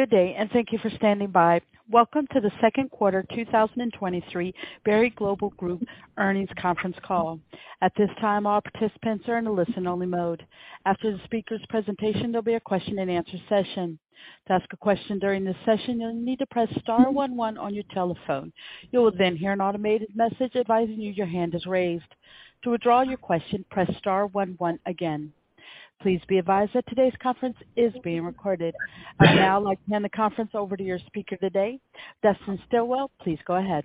Good day, and thank you for standing by. Welcome to the Q2 2023 Berry Global Group Earnings Conference Call. At this time, all participants are in a listen-only mode. After the speaker's presentation, there'll be a question-and-answer session. To ask a question during this session, you'll need to press star one one on your telephone. You will then hear an automated message advising you your hand is raised. To withdraw your question, press star one one again. Please be advised that today's conference is being recorded. I'd now like to hand the conference over to your speaker today, Dustin Stilwell. Please go ahead.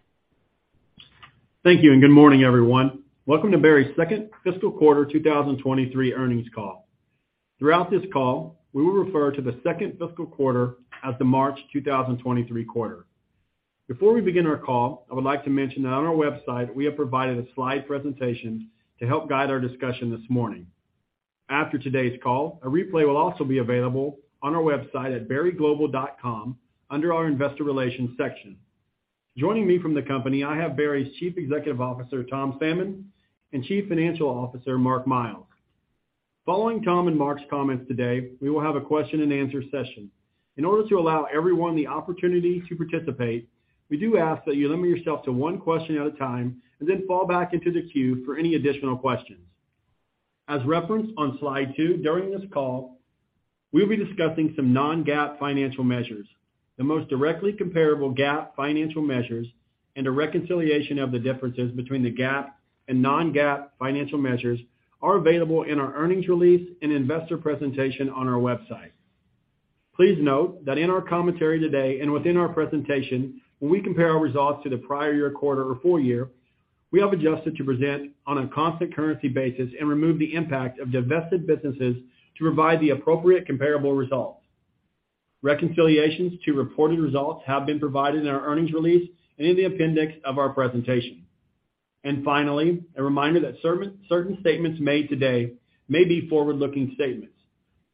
Thank you. Good morning, everyone. Welcome to Berry's second fiscal quarter 2023 earnings call. Throughout this call, we will refer to the second fiscal quarter as the March 2023 quarter. Before we begin our call, I would like to mention that on our website we have provided a slide presentation to help guide our discussion this morning. After today's call, a replay will also be available on our website at berryglobal.com under our Investor Relations section. Joining me from the company, I have Berry's Chief Executive Officer, Tom Salmon, and Chief Financial Officer, Mark Miles. Following Tom and Mark's comments today, we will have a question-and-answer session. In order to allow everyone the opportunity to participate, we do ask that you limit yourself to one question at a time and then fall back into the queue for any additional questions. As referenced on slide two, during this call, we'll be discussing some non-GAAP financial measures. The most directly comparable GAAP financial measures and a reconciliation of the differences between the GAAP and non-GAAP financial measures are available in our earnings release and investor presentation on our website. Please note that in our commentary today and within our presentation, when we compare our results to the prior year quarter or full year, we have adjusted to present on a constant currency basis and remove the impact of divested businesses to provide the appropriate comparable results. Reconciliations to reported results have been provided in our earnings release and in the appendix of our presentation. Finally, a reminder that certain statements made today may be forward-looking statements.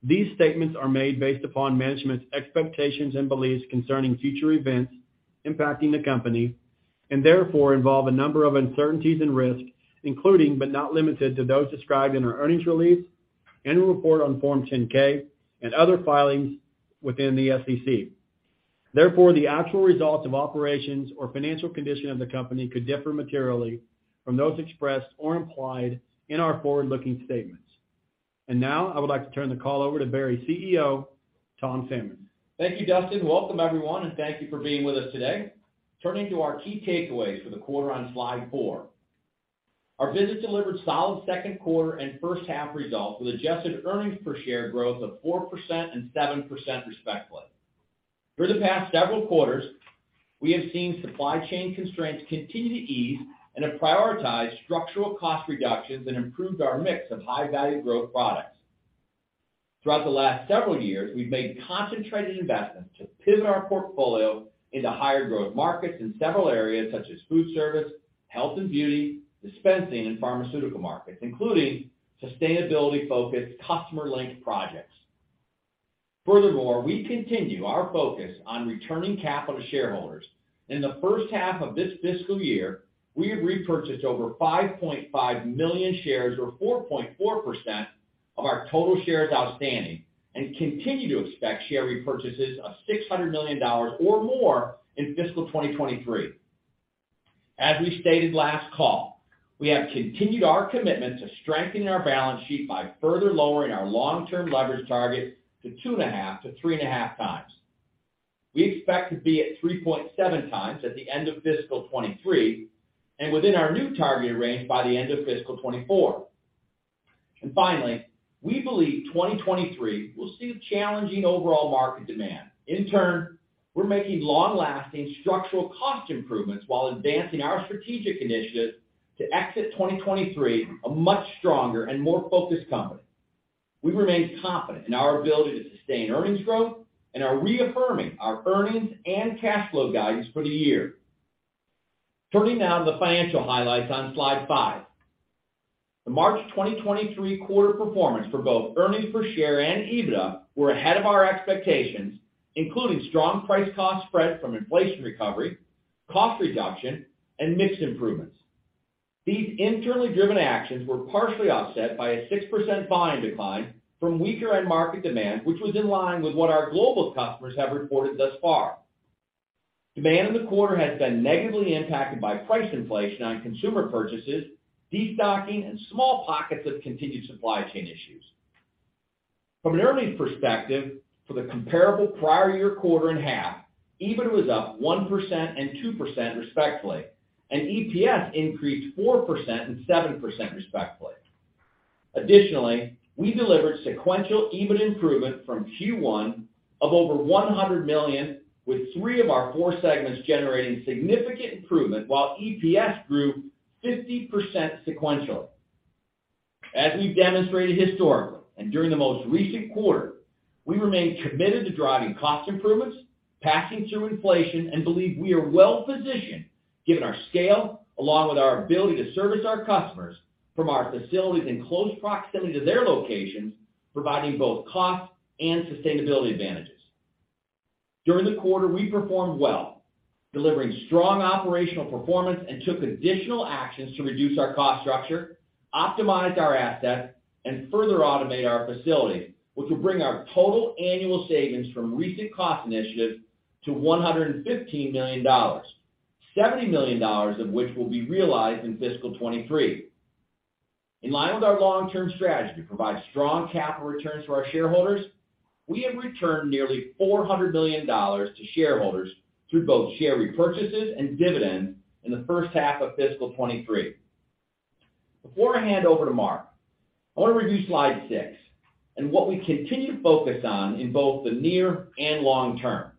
These statements are made based upon management's expectations and beliefs concerning future events impacting the company and therefore involve a number of uncertainties and risks, including but not limited to those described in our earnings release and report on Form 10-K and other filings with the SEC. Therefore, the actual results of operations or financial condition of the company could differ materially from those expressed or implied in our forward-looking statements. Now I would like to turn the call over to Berry's CEO, Tom Salmon. Thank you, Dustin. Welcome, everyone, and thank you for being with us today. Turning to our key takeaways for the quarter on slide 4. Our business delivered solid Q2 and first half results with adjusted earnings per share growth of 4% and 7% respectively. For the past several quarters, we have seen supply chain constraints continue to ease and have prioritized structural cost reductions and improved our mix of high-value growth products. Throughout the last several years, we've made concentrated investments to pivot our portfolio into higher growth markets in several areas such as food service, health and beauty, dispensing, and pharmaceutical markets, including sustainability-focused customer link projects. Furthermore, we continue our focus on returning capital to shareholders. In the first half of this fiscal year, we have repurchased over 5.5 million shares or 4.4% of our total shares outstanding and continue to expect share repurchases of $600 million or more in fiscal 2023. As we stated last call, we have continued our commitment to strengthening our balance sheet by further lowering our long-term leverage target to 2.5-3.5x. We expect to be at 3.7x at the end of fiscal 2023 and within our new targeted range by the end of fiscal 2024. Finally, we believe 2023 will see challenging overall market demand. In turn, we're making long-lasting structural cost improvements while advancing our strategic initiatives to exit 2023 a much stronger and more focused company. We remain confident in our ability to sustain earnings growth and are reaffirming our earnings and cash flow guidance for the year. Turning now to the financial highlights on slide 5. The March 2023 quarter performance for both earnings per share and EBITDA were ahead of our expectations, including strong price cost spread from inflation recovery, cost reduction, and mix improvements. These internally driven actions were partially offset by a 6% volume decline from weaker end market demand, which was in line with what our global customers have reported thus far. Demand in the quarter has been negatively impacted by price inflation on consumer purchases, destocking, and small pockets of continued supply chain issues. From an earnings perspective, for the comparable prior year quarter and half, EBITDA was up 1% and 2% respectively, and EPS increased 4% and 7% respectively. We delivered sequential EBIT improvement from Q1 of over $100 million, with three of our four segments generating significant improvement while EPS grew 50% sequentially. As we've demonstrated historically and during the most recent quarter, we remain committed to driving cost improvements, passing through inflation, and believe we are well-positioned given our scale along with our ability to service our customers from our facilities in close proximity to their locations, providing both cost and sustainability advantages. During the quarter, we performed well. Delivering strong operational performance and took additional actions to reduce our cost structure, optimize our assets, and further automate our facilities, which will bring our total annual savings from recent cost initiatives to $115 million, $70 million of which will be realized in fiscal 2023. In line with our long-term strategy to provide strong capital returns for our shareholders, we have returned nearly $400 million to shareholders through both share repurchases and dividends in the first half of fiscal 2023. Before I hand over to Mark, I want to review slide 6 and what we continue to focus on in both the near and long term.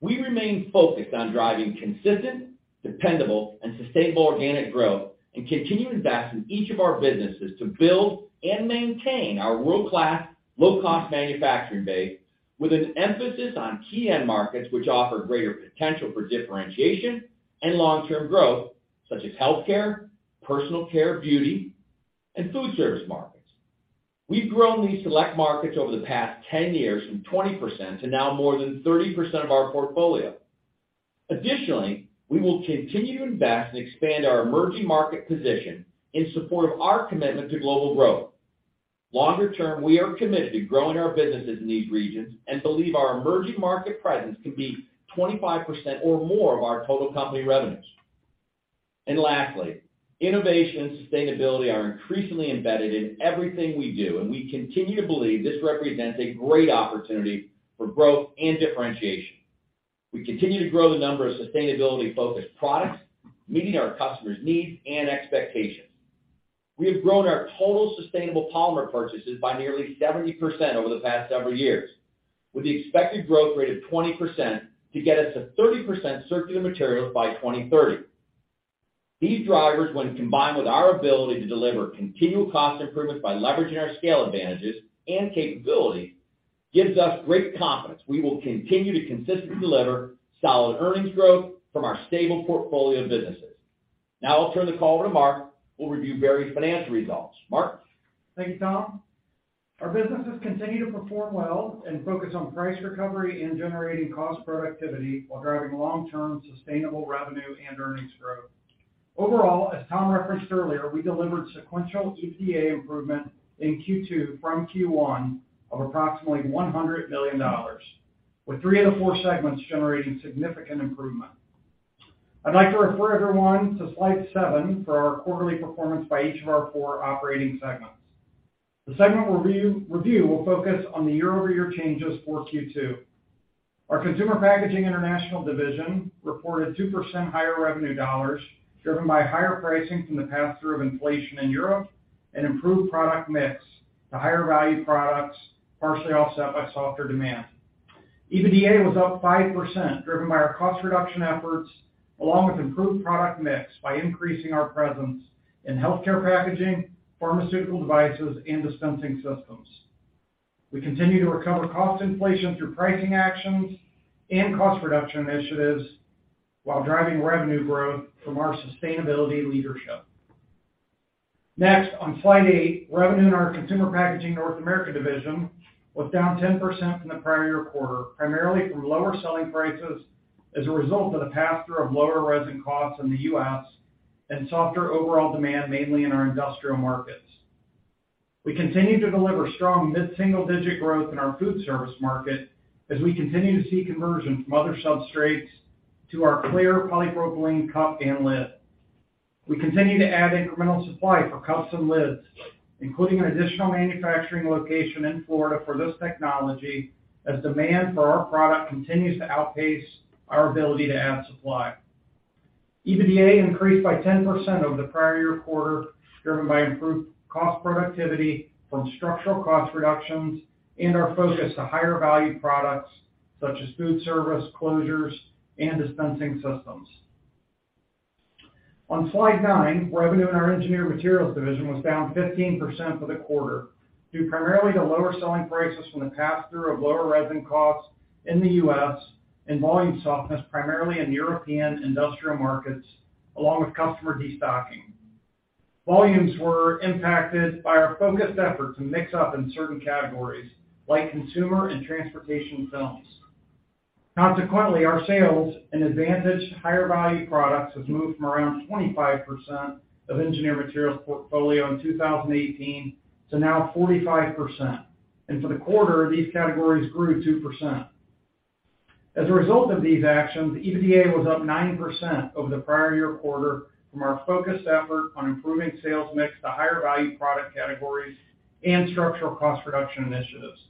We remain focused on driving consistent, dependable, and sustainable organic growth and continue to invest in each of our businesses to build and maintain our world-class low-cost manufacturing base with an emphasis on key end markets which offer greater potential for differentiation and long-term growth, such as healthcare, personal care, beauty, and food service markets. We've grown these select markets over the past 10 years from 20% to now more than 30% of our portfolio. Additionally, we will continue to invest and expand our emerging market position in support of our commitment to global growth. Longer term, we are committed to growing our businesses in these regions and believe our emerging market presence can be 25% or more of our total company revenues. Lastly, innovation and sustainability are increasingly embedded in everything we do, and we continue to believe this represents a great opportunity for growth and differentiation. We continue to grow the number of sustainability-focused products, meeting our customers' needs and expectations. We have grown our total sustainable polymer purchases by nearly 70% over the past several years, with the expected growth rate of 20% to get us to 30% circular materials by 2030. These drivers, when combined with our ability to deliver continual cost improvements by leveraging our scale advantages and capabilities, gives us great confidence we will continue to consistently deliver solid earnings growth from our stable portfolio of businesses. Now I'll turn the call over to Mark, who will review Berry's financial results. Mark? Thank you, Tom. Our businesses continue to perform well and focus on price recovery and generating cost productivity while driving long-term sustainable revenue and earnings growth. Overall, as Tom referenced earlier, we delivered sequential EBITDA improvement in Q2 from Q1 of approximately $100 million, with three of the four segments generating significant improvement. I'd like to refer everyone to slide seven for our quarterly performance by each of our four operating segments. The segment review will focus on the year-over-year changes for Q2. Our Consumer Packaging International division reported 2% higher revenue dollars, driven by higher pricing from the pass-through of inflation in Europe and improved product mix to higher-value products, partially offset by softer demand. EBITDA was up 5%, driven by our cost reduction efforts, along with improved product mix by increasing our presence in healthcare packaging, pharmaceutical devices, and dispensing systems. We continue to recover cost inflation through pricing actions and cost reduction initiatives while driving revenue growth from our sustainability leadership. On slide 8, revenue in our Consumer Packaging North America division was down 10% from the prior year quarter, primarily from lower selling prices as a result of the pass-through of lower resin costs in the U.S. and softer overall demand, mainly in our industrial markets. We continue to deliver strong mid-single-digit growth in our food service market as we continue to see conversion from other substrates to our clear polypropylene cup and lid. We continue to add incremental supply for cups and lids, including an additional manufacturing location in Florida for this technology as demand for our product continues to outpace our ability to add supply. EBITDA increased by 10% over the prior year quarter, driven by improved cost productivity from structural cost reductions and our focus to higher-value products such as food service closures and dispensing systems. On slide 9, revenue in our Engineered Materials division was down 15% for the quarter due primarily to lower selling prices from the pass-through of lower resin costs in the U.S. and volume softness, primarily in European industrial markets, along with customer destocking. Volumes were impacted by our focused effort to mix up in certain categories like consumer and transportation films. Consequently, our sales in advantaged higher-value products have moved from around 25% of Engineered Materials portfolio in 2018 to now 45%. For the quarter, these categories grew 2%. As a result of these actions, EBITDA was up 9% over the prior year quarter from our focused effort on improving sales mix to higher-value product categories and structural cost reduction initiatives.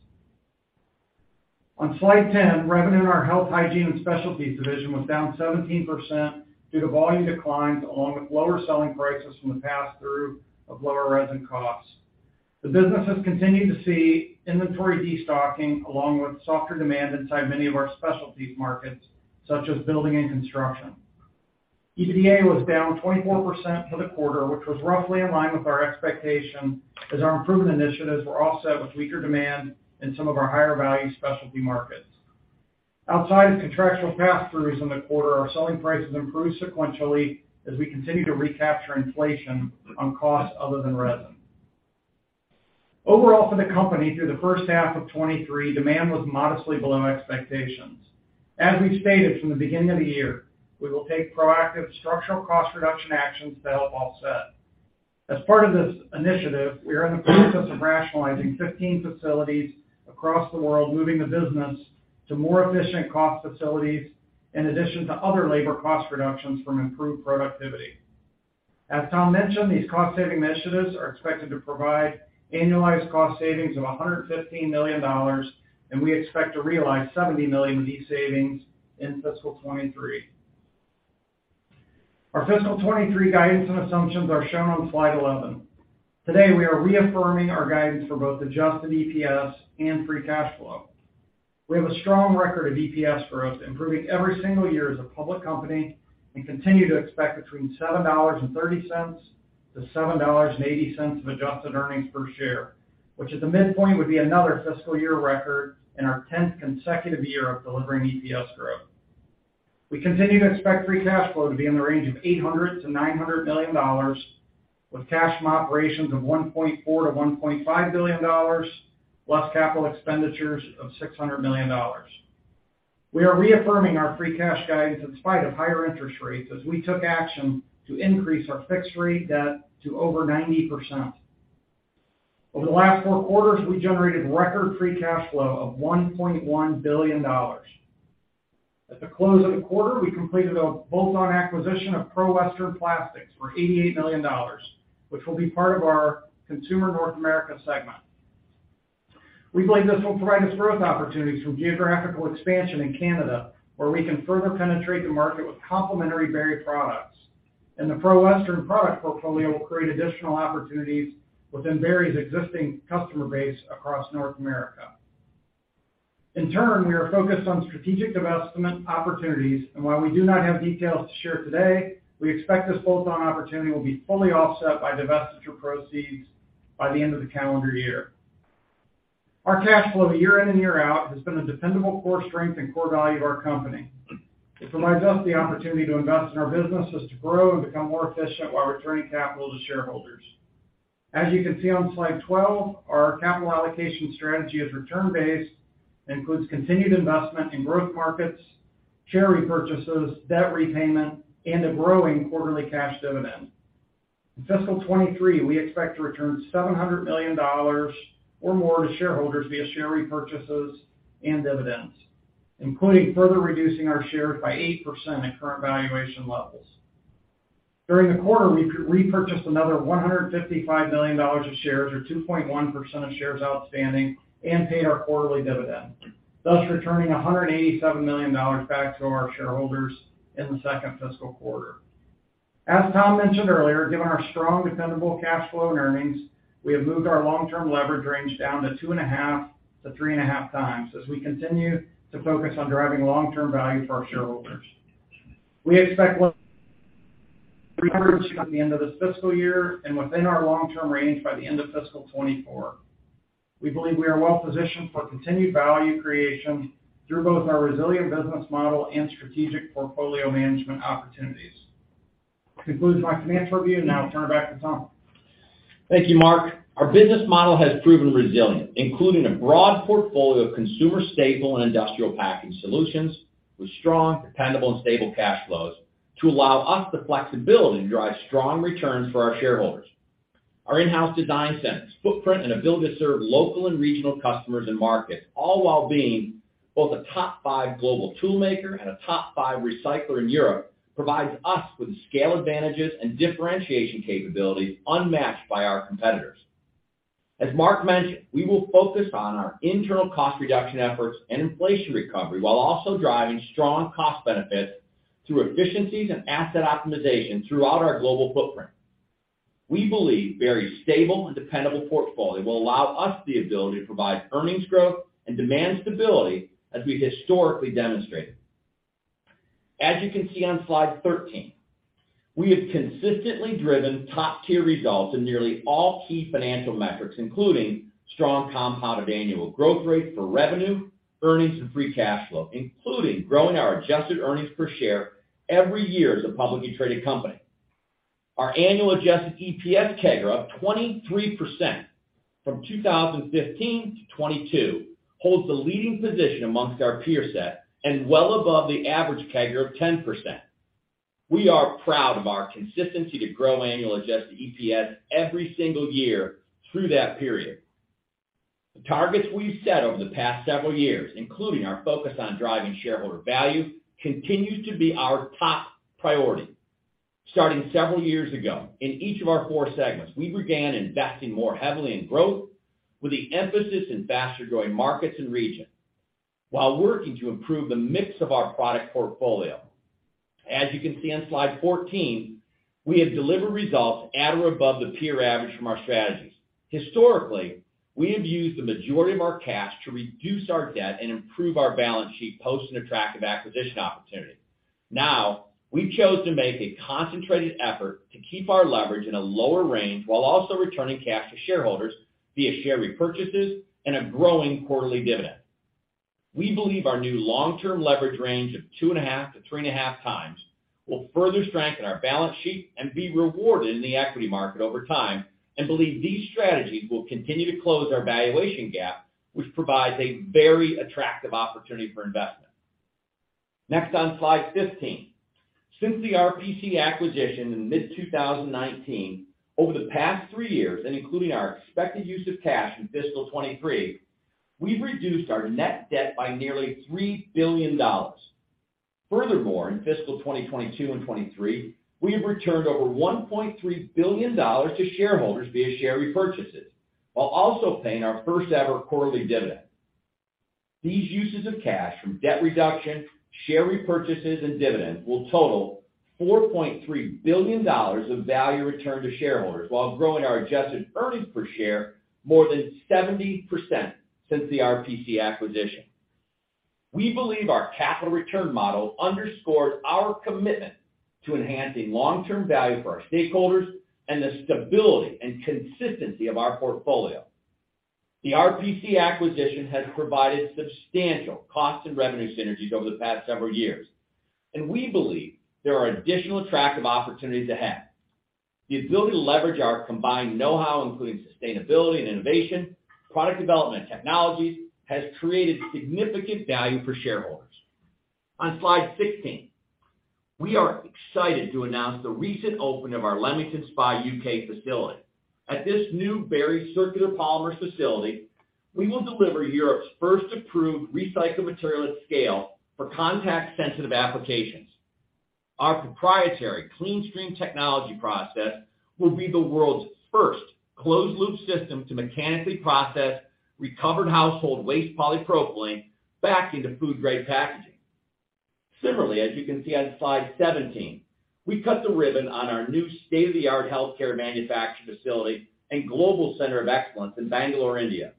On slide 10, revenue in our Health, Hygiene, and Specialties division was down 17% due to volume declines, along with lower selling prices from the pass-through of lower resin costs. The business has continued to see inventory destocking, along with softer demand inside many of our specialties markets, such as building and construction. EBITDA was down 24% for the quarter, which was roughly in line with our expectation as our improvement initiatives were offset with weaker demand in some of our higher-value specialty markets. Outside of contractual pass-throughs in the quarter, our selling prices improved sequentially as we continue to recapture inflation on costs other than resin. Overall for the company through the first half of 2023, demand was modestly below expectations. As we stated from the beginning of the year, we will take proactive structural cost reduction actions to help offset. As part of this initiative, we are in the process of rationalizing 15 facilities across the world, moving the business to more efficient cost facilities in addition to other labor cost reductions from improved productivity. As Tom mentioned, these cost saving initiatives are expected to provide annualized cost savings of $115 million, and we expect to realize $70 million of these savings in fiscal 2023. Our fiscal 2023 guidance and assumptions are shown on slide 11. Today, we are reaffirming our guidance for both Adjusted EPS and free cash flow. We have a strong record of EPS growth, improving every single year as a public company, and continue to expect between $7.30-7.80 of adjusted earnings per share, which at the midpoint would be another fiscal year record in our 10th consecutive year of delivering EPS growth. We continue to expect free cash flow to be in the range of $800 million-900 million, with cash from operations of $1.4 billion-1.5 billion, plus capital expenditures of $600 million. We are reaffirming our free cash guidance in spite of higher interest rates as we took action to increase our fixed rate debt to over 90%. Over the last four quarters, we generated record free cash flow of $1.1 billion. At the close of the quarter, we completed a bolt-on acquisition of Pro-Western Plastics Ltd. for $88 million, which will be part of our Consumer North America segment. We believe this will provide us growth opportunities through geographical expansion in Canada, where we can further penetrate the market with complementary Berry products. The Pro-Western product portfolio will create additional opportunities within Berry's existing customer base across North America. In turn, we are focused on strategic divestment opportunities, and while we do not have details to share today, we expect this bolt-on opportunity will be fully offset by divestiture proceeds by the end of the calendar year. Our cash flow year in and year out has been a dependable core strength and core value of our company. It provides us the opportunity to invest in our businesses to grow and become more efficient while returning capital to shareholders. As you can see on slide 12, our capital allocation strategy is return-based, includes continued investment in growth markets, share repurchases, debt repayment, and a growing quarterly cash dividend. In fiscal 2023, we expect to return $700 million or more to shareholders via share repurchases and dividends, including further reducing our shares by 8% at current valuation levels. During the quarter, we repurchased another $155 million of shares, or 2.1% of shares outstanding and paid our quarterly dividend, thus returning $187 million back to our shareholders in the second fiscal quarter. As Tom mentioned earlier, given our strong dependable cash flow and earnings, we have moved our long-term leverage range down to two and a half to three and a half times as we continue to focus on driving long-term value for our shareholders. We expect at the end of this fiscal year and within our long-term range by the end of fiscal 2024. We believe we are well positioned for continued value creation through both our resilient business model and strategic portfolio management opportunities. This concludes my finance review. I'll turn it back to Tom. Thank you, Mark. Our business model has proven resilient, including a broad portfolio of consumer staple and industrial packaging solutions with strong, dependable, and stable cash flows to allow us the flexibility to drive strong returns for our shareholders. Our in-house design centers, footprint, and ability to serve local and regional customers and markets, all while being both a top five global tool maker and a top five recycler in Europe, provides us with the scale advantages and differentiation capabilities unmatched by our competitors. As Mark mentioned, we will focus on our internal cost reduction efforts and inflation recovery while also driving strong cost benefits through efficiencies and asset optimization throughout our global footprint. We believe Berry's stable and dependable portfolio will allow us the ability to provide earnings growth and demand stability as we historically demonstrated. As you can see on slide 13, we have consistently driven top-tier results in nearly all key financial metrics, including strong compounded annual growth rate for revenue, earnings, and free cash flow, including growing our adjusted earnings per share every year as a publicly traded company. Our annual adjusted EPS CAGR of 23% from 2015 to 2022 holds the leading position amongst our peer set and well above the average CAGR of 10%. We are proud of our consistency to grow annual Adjusted EPS every single year through that period. The targets we've set over the past several years, including our focus on driving shareholder value, continues to be our top priority. Starting several years ago, in each of our 4 segments, we began investing more heavily in growth with the emphasis in faster-growing markets and regions while working to improve the mix of our product portfolio. As you can see on slide 14, we have delivered results at or above the peer average from our strategies. Historically, we have used the majority of our cash to reduce our debt and improve our balance sheet post an attractive acquisition opportunity. We've chose to make a concentrated effort to keep our leverage in a lower range while also returning cash to shareholders via share repurchases and a growing quarterly dividend. We believe our new long-term leverage range of 2.5x-3.5x will further strengthen our balance sheet and be rewarded in the equity market over time, and believe these strategies will continue to close our valuation gap, which provides a very attractive opportunity for investment. Next on slide 15. Since the RPC acquisition in mid-2019, over the past three years, and including our expected use of cash in fiscal 2023, we've reduced our net debt by nearly $3 billion. In fiscal 2022 and 2023, we have returned over $1.3 billion to shareholders via share repurchases while also paying our first-ever quarterly dividend. These uses of cash from debt reduction, share repurchases, and dividends will total $4.3 billion of value returned to shareholders while growing our adjusted earnings per share more than 70% since the RPC acquisition. We believe our capital return model underscores our commitment to enhancing long-term value for our stakeholders and the stability and consistency of our portfolio. The RPC acquisition has provided substantial cost and revenue synergies over the past several years, and we believe there are additional attractive opportunities ahead. The ability to leverage our combined know-how, including sustainability and innovation, product development, and technologies, has created significant value for shareholders. On slide 16. We are excited to announce the recent opening of our Leamington Spa UK facility. At this new Berry Circular Polymers facility, we will deliver Europe's first approved recycled material at scale for contact-sensitive applications. Our proprietary CleanStream technology process will be the world's first closed-loop system to mechanically process recovered household waste polypropylene back into food-grade packaging. As you can see on slide 17, we cut the ribbon on our new state-of-the-art healthcare manufacturing facility and global center of excellence in Bangalore, India.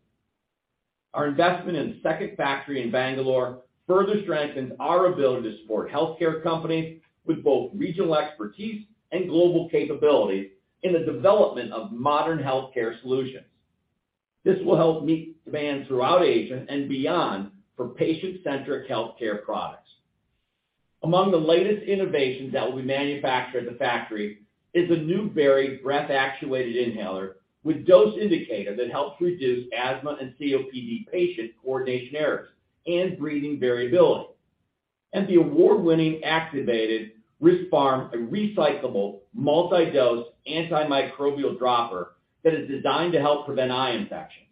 Our investment in the second factory in Bangalore further strengthens our ability to support healthcare companies with both regional expertise and global capabilities in the development of modern healthcare solutions. This will help meet demand throughout Asia and beyond for patient-centric healthcare products. Among the latest innovations that will be manufactured at the factory is a new Berry breath-actuated inhaler with dose indicator that helps reduce asthma and COPD patient coordination errors and breathing variability. The award-winning Activated Rispharm, a recyclable multi-dose antimicrobial dropper that is designed to help prevent eye infections.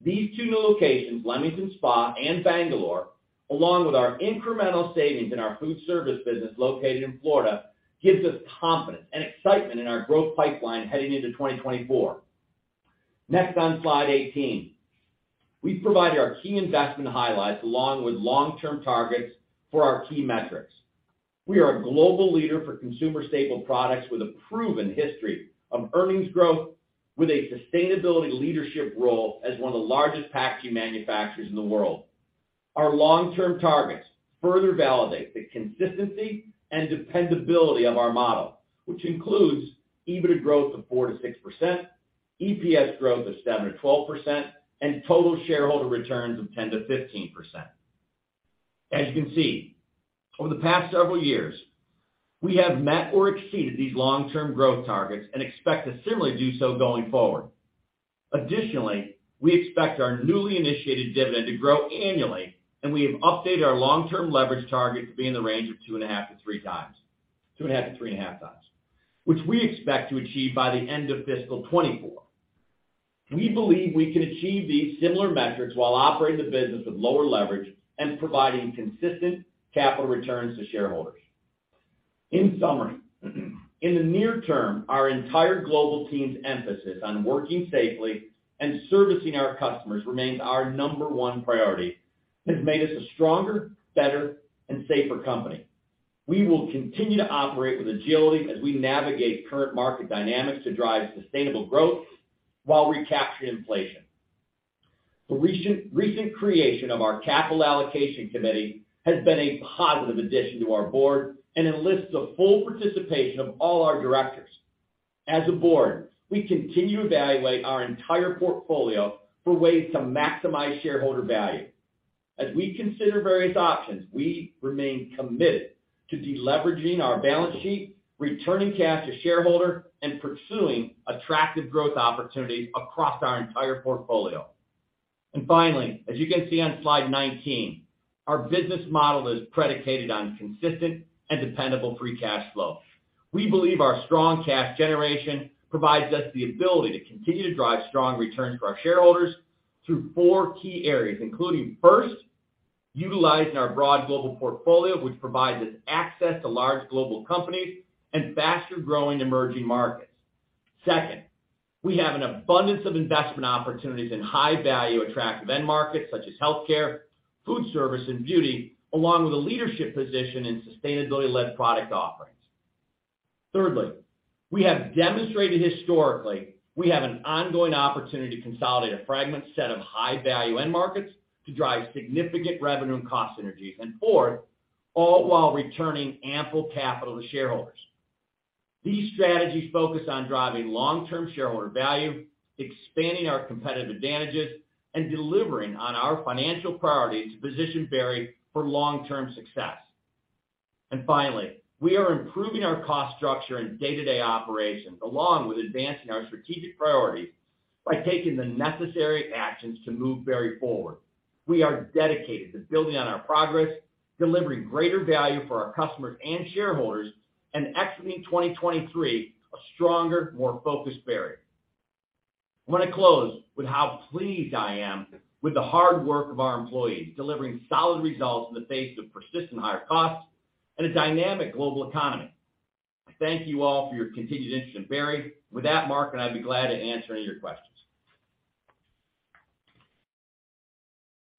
These two new locations, Leamington Spa and Bangalore, along with our incremental savings in our food service business located in Florida, gives us confidence and excitement in our growth pipeline heading into 2024. Next on slide 18. We provide our key investment highlights along with long-term targets for our key metrics. We are a global leader for consumer staple products with a proven history of earnings growth with a sustainability leadership role as one of the largest packaging manufacturers in the world. Our long-term targets further validate the consistency and dependability of our model, which includes EBITDA growth of 4-6%, EPS growth of 7-12%, and total shareholder returns of 10-15%. As you can see, over the past several years, we have met or exceeded these long-term growth targets and expect to similarly do so going forward. Additionally, we expect our newly initiated dividend to grow annually, and we have updated our long-term leverage target to be in the range of 2.5-3.5x, which we expect to achieve by the end of fiscal 2024. We believe we can achieve these similar metrics while operating the business with lower leverage and providing consistent capital returns to shareholders. In summary, in the near term, our entire global team's emphasis on working safely and servicing our customers remains our number one priority. It has made us a stronger, better, and safer company. We will continue to operate with agility as we navigate current market dynamics to drive sustainable growth while recapturing inflation. The recent creation of our capital allocation committee has been a positive addition to our board and enlists the full participation of all our directors. As a board, we continue to evaluate our entire portfolio for ways to maximize shareholder value. As we consider various options, we remain committed to deleveraging our balance sheet, returning cash to shareholders, and pursuing attractive growth opportunities across our entire portfolio. Finally, as you can see on slide 19, our business model is predicated on consistent and dependable free cash flow. We believe our strong cash generation provides us the ability to continue to drive strong returns for our shareholders through four key areas, including first, utilizing our broad global portfolio, which provides us access to large global companies and faster-growing emerging markets. Second, we have an abundance of investment opportunities in high-value, attractive end markets such as healthcare, food service, and beauty, along with a leadership position in sustainability-led product offerings. Thirdly, we have demonstrated historically we have an ongoing opportunity to consolidate a fragment set of high-value end markets to drive significant revenue and cost synergies. Fourth, all while returning ample capital to shareholders. These strategies focus on driving long-term shareholder value, expanding our competitive advantages, and delivering on our financial priorities to position Berry for long-term success. Finally, we are improving our cost structure and day-to-day operations, along with advancing our strategic priorities by taking the necessary actions to move Berry forward. We are dedicated to building on our progress, delivering greater value for our customers and shareholders, and exiting 2023 a stronger, more focused Berry. I wanna close with how pleased I am with the hard work of our employees, delivering solid results in the face of persistent higher costs and a dynamic global economy. I thank you all for your continued interest in Berry. With that, Mark and I'd be glad to answer any of your questions.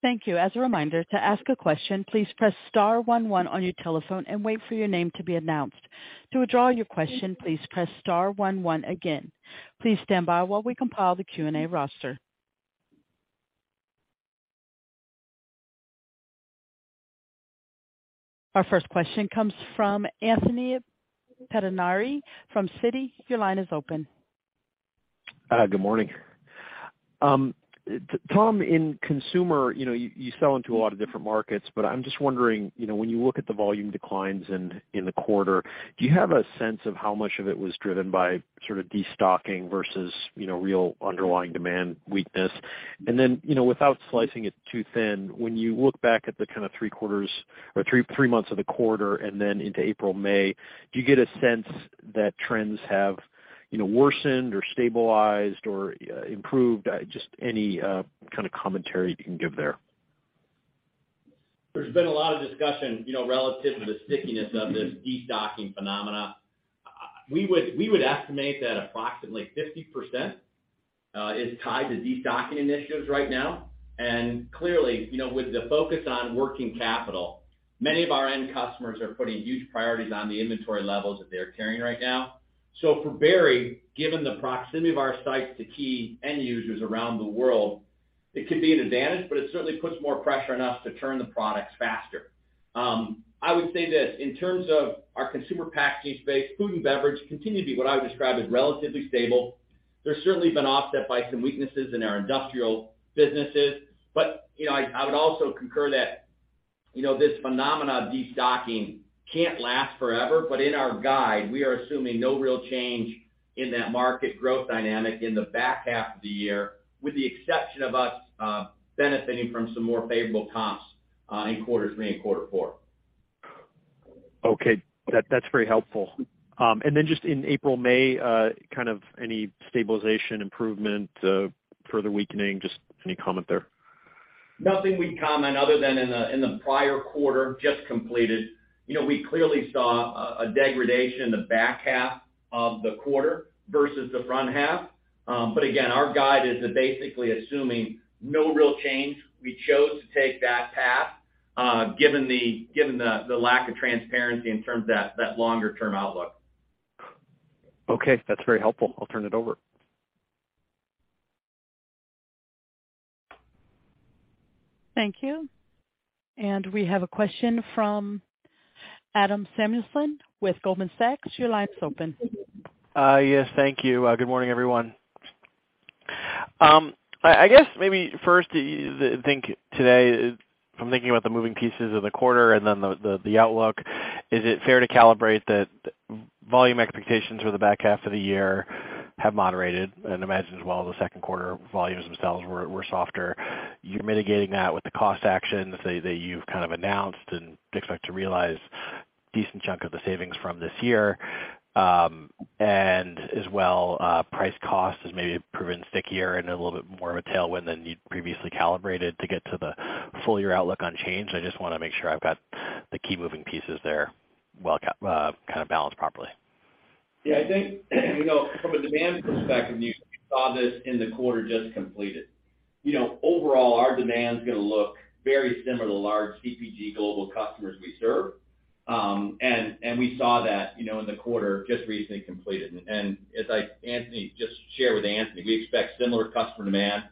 Thank you. As a reminder, to ask a question, please press star one, one on your telephone and wait for your name to be announced. To withdraw your question, please press star one, one again. Please stand by while we compile the Q&A roster. Our first question comes from Anthony Pettinari from Citi. Your line is open. Good morning. Tom Salmon, in consumer, you know, you sell into a lot of different markets, but I'm just wondering, you know, when you look at the volume declines in the quarter, do you have a sense of how much of it was driven by sort of destocking versus, you know, real underlying demand weakness? You know, without slicing it too thin, when you look back at the kinda three quarters or three months of the quarter and then into April, May, do you get a sense that trends have, you know, worsened or stabilized or improved? Just any kinda commentary you can give there. There's been a lot of discussion, you know, relative to the stickiness of this destocking phenomena. We would estimate that approximately 50% is tied to destocking initiatives right now. Clearly, you know, with the focus on working capital, many of our end customers are putting huge priorities on the inventory levels that they're carrying right now. For Berry, given the proximity of our sites to key end users around the world, it could be an advantage, but it certainly puts more pressure on us to turn the products faster. I would say this, in terms of our consumer packaging space, food and beverage continue to be what I would describe as relatively stable. They're certainly been offset by some weaknesses in our industrial businesses. You know, I would also concur that, you know, this phenomena of destocking can't last forever, but in our guide, we are assuming no real change in that market growth dynamic in the back half of the year, with the exception of us benefiting from some more favorable comps in Q3 and Q4. Okay. That's very helpful. Then just in April, May, kind of any stabilization improvement, further weakening, just any comment there? Nothing we'd comment other than in the prior quarter just completed. You know, we clearly saw a degradation in the back half of the quarter versus the front half. Again, our guide is basically assuming no real change. We chose to take that path given the lack of transparency in terms of that longer term outlook. Okay, that's very helpful. I'll turn it over. Thank you. We have a question from Adam Samuelson with Goldman Sachs. Your line's open. Yes, thank you. Good morning, everyone. I guess maybe first, think today, from thinking about the moving pieces of the quarter and then the outlook, is it fair to calibrate that volume expectations for the back half of the year have moderated? I imagine as well the Q2 volumes themselves were softer. You're mitigating that with the cost actions that you've kind of announced and expect to realize decent chunk of the savings from this year. As well, price cost has maybe proven stickier and a little bit more of a tailwind than you'd previously calibrated to get to the full year outlook unchanged. I just wanna make sure I've got the key moving pieces there well kind of balanced properly. Yeah, I think, you know, from a demand perspective, you saw this in the quarter just completed. You know, overall, our demand's gonna look very similar to large CPG global customers we serve. We saw that, you know, in the quarter just recently completed. Anthony, just share with Anthony, we expect similar customer demand,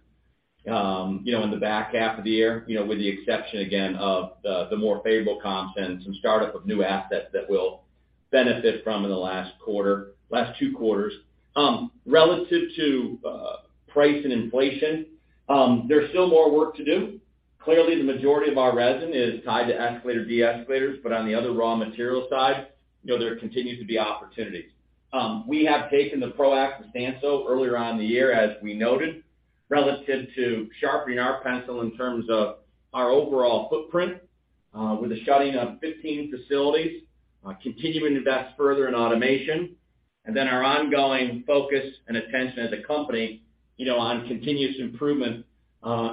you know, in the back half of the year, you know, with the exception, again, of the more favorable comps and some startup of new assets that we'll benefit from in the last quarter, last two quarters. Relative to price and inflation, there's still more work to do. Clearly, the majority of our resin is tied to escalator, deescalators. On the other raw material side, you know, there continues to be opportunities. We have taken the proactive stance, though, earlier on in the year, as we noted, relative to sharpening our pencil in terms of our overall footprint, with the shutting of 15 facilities, continuing to invest further in automation, and then our ongoing focus and attention as a company, you know, on continuous improvement,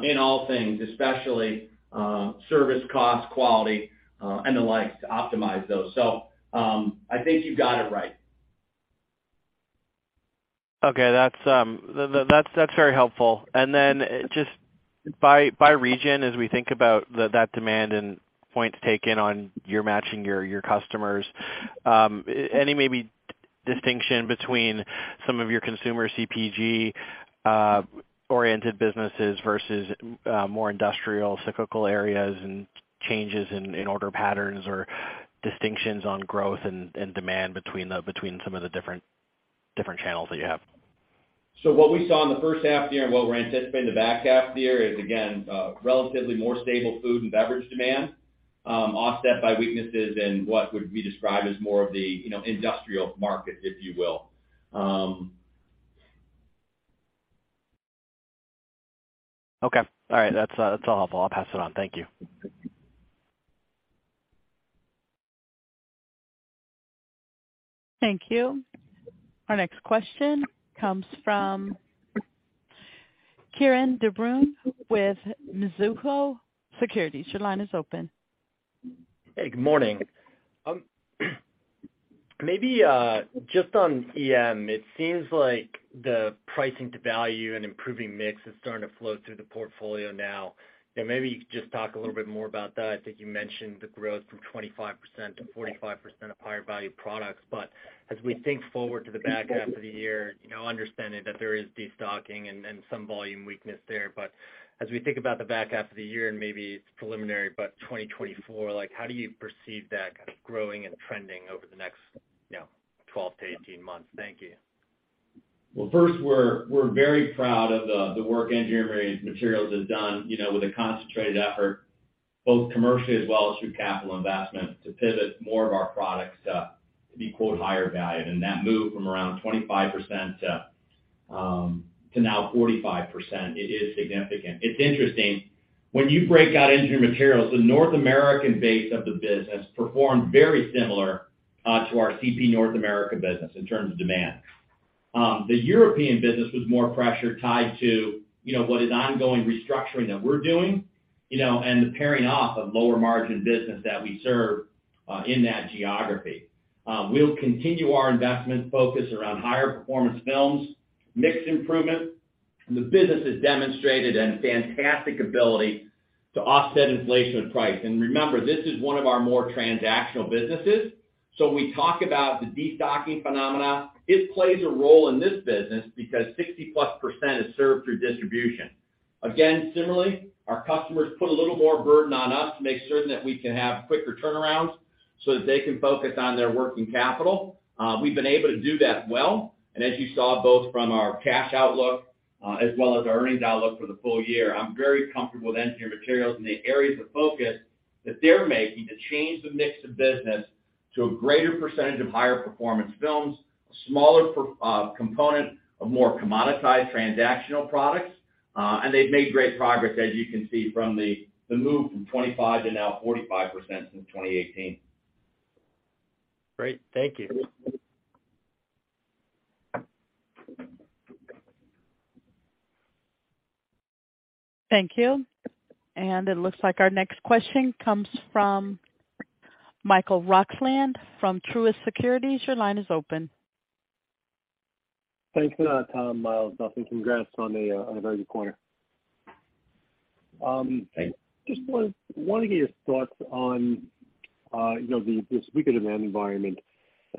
in all things, especially, service, cost, quality, and the likes to optimize those. I think you've got it right. Okay, that's very helpful. Just by region, as we think about that demand and point to take in on your matching your customers, any maybe distinction between some of your consumer CPG oriented businesses versus more industrial cyclical areas and changes in order patterns or distinctions on growth and demand between some of the different channels that you have? What we saw in the first half of the year and what we're anticipating in the back half of the year is, again, relatively more stable food and beverage demand, offset by weaknesses in what would be described as more of the, you know, industrial market, if you will. All right. That's all helpful. I'll pass it on. Thank you. Thank you. Our next question comes from Kieran De Brun with Mizuho Securities. Your line is open. Hey, good morning. Maybe just on EM, it seems like the pricing to value and improving mix is starting to flow through the portfolio now. You know, maybe you could just talk a little bit more about that. I think you mentioned the growth from 25-45% of higher value products. As we think forward to the back half of the year, you know, understanding that there is destocking and some volume weakness there. As we think about the back half of the year, and maybe it's preliminary, but 2024, like, how do you perceive that kind of growing and trending over the next, you know, 12-18 months? Thank you. Well, first, we're very proud of the work Engineered Materials has done, you know, with a concentrated effort, both commercially as well as through capital investment, to pivot more of our products to be, quote, "higher value." That move from around 25% to now 45%, it is significant. It's interesting. When you break out Engineered Materials, the North American base of the business performed very similar to our CP North America business in terms of demand. The European business was more pressured, tied to, you know, what is ongoing restructuring that we're doing, you know, and the paring off of lower margin business that we serve in that geography. We'll continue our investment focus around higher performance films, mix improvement. The business has demonstrated a fantastic ability to offset inflation with price. Remember, this is one of our more transactional businesses. We talk about the destocking phenomena. It plays a role in this business because 60+% is served through distribution. Again, similarly, our customers put a little more burden on us to make certain that we can have quicker turnarounds so that they can focus on their working capital. We've been able to do that well. As you saw both from our cash outlook, as well as our earnings outlook for the full year, I'm very comfortable with Engineered Materials and the areas of focus that they're making to change the mix of business to a greater percentage of higher performance films, a smaller component of more commoditized transactional products. They've made great progress, as you can see, from the move from 25 to now 45% since 2018. Great. Thank you. Thank you. It looks like our next question comes from Michael Roxland from Truist Securities. Your line is open. Thanks for that, Tom, Mark Miles, Dustin. Congrats on a very good quarter. I just want to get your thoughts on, you know, this weaker demand environment.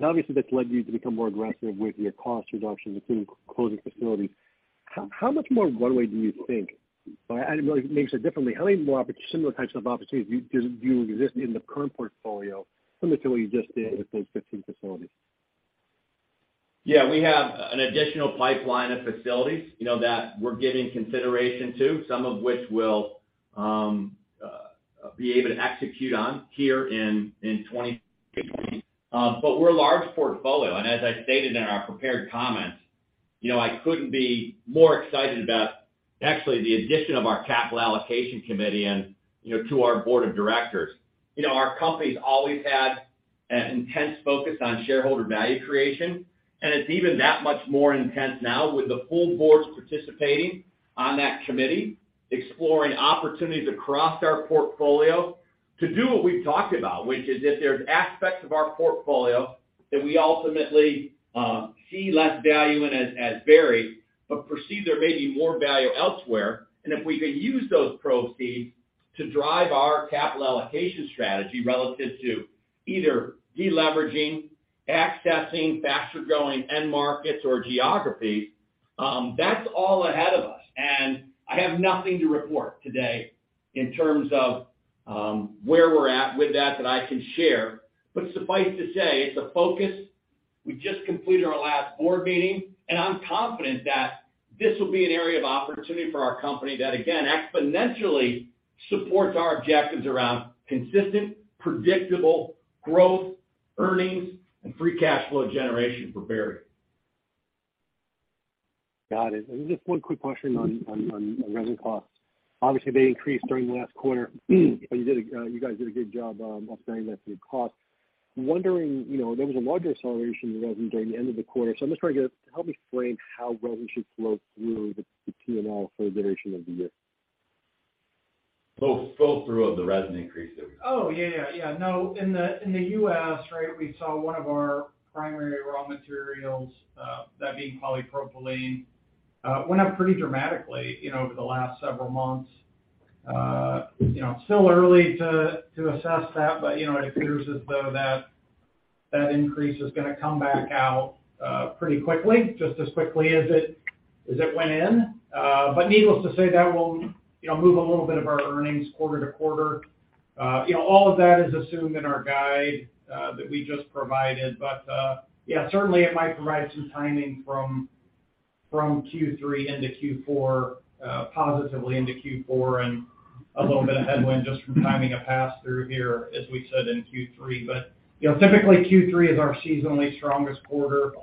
Obviously, that's led you to become more aggressive with your cost reductions, including closing facilities. How much more runway do you think? Or maybe say it differently. How many more similar types of opportunities do exist in the current portfolio, similar to what you just did with those 15 facilities? Yeah, we have an additional pipeline of facilities, you know, that we're giving consideration to, some of which we'll be able to execute on here in 2020. We're a large portfolio. As I stated in our prepared comments, you know, I couldn't be more excited about actually the addition of our capital allocation committee and, you know, to our board of directors. You know, our company's always had an intense focus on shareholder value creation, and it's even that much more intense now with the full board participating on that committee, exploring opportunities across our portfolio to do what we've talked about, which is if there's aspects of our portfolio that we ultimately see less value in as Berry, but perceive there may be more value elsewhere, and if we could use those proceeds to drive our capital allocation strategy relative to either deleveraging, accessing faster growing end markets or geographies, that's all ahead of us. I have nothing to report today in terms of where we're at with that that I can share. Suffice to say, it's a focus. We just completed our last board meeting. I'm confident that this will be an area of opportunity for our company that, again, exponentially supports our objectives around consistent, predictable growth, earnings, and free cash flow generation for Berry. Got it. Just one quick question on resin costs. Obviously, they increased during the last quarter, but you guys did a good job offsetting that through your costs. I'm wondering, you know, there was a larger acceleration in resin during the end of the quarter. I'm just trying to help explain how resin should flow through the P&L for the duration of the year. Flow through of the resin increase. Oh, yeah, yeah. No, in the U.S., right, we saw one of our primary raw materials, that being polypropylene, went up pretty dramatically, you know, over the last several months. You know, still early to assess that, but, you know, it appears as though that increase is gonna come back out pretty quickly, just as quickly as it went in. Needless to say, that will, you know, move a little bit of our earnings quarter-to-quarter. you know, all of that is assumed in our guide that we just provided. Yeah, certainly it might provide some timing from Q3 into Q4, positively into Q4, and a little bit of headwind just from timing of pass-through here, as we said in Q3. you know, typically Q3 is our seasonally strongest quarter.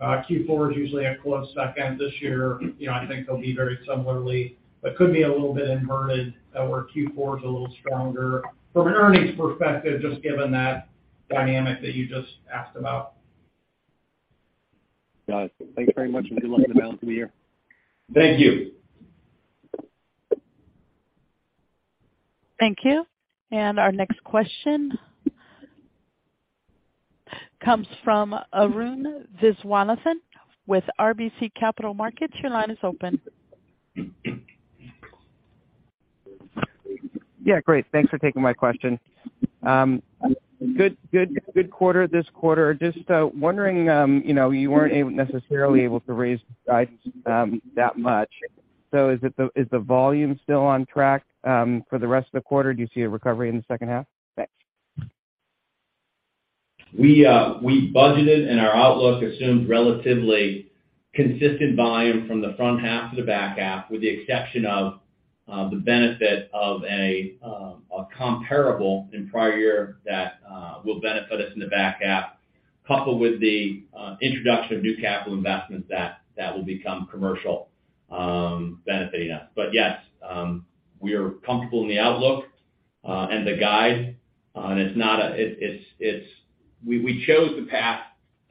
Q4 is usually a close second. This year, you know, I think they'll be very similarly, but could be a little bit inverted, where Q4 is a little stronger from an earnings perspective, just given that dynamic that you just asked about. Got it. Thanks very much, and good luck in the balance of the year. Thank you. Thank you. Our next question comes from Arun Viswanathan with RBC Capital Markets. Your line is open. Yeah, great. Thanks for taking my question. Good quarter this quarter. Just wondering, you know, necessarily able to raise guidance that much. Is the volume still on track for the rest of the quarter? Do you see a recovery in the second half? Thanks. We budgeted and our outlook assumes relatively consistent volume from the front half to the back half, with the exception of the benefit of a comparable in prior year that will benefit us in the back half, coupled with the introduction of new capital investments that will become commercial, benefiting us. Yes, we are comfortable in the outlook and the guide, and we chose the path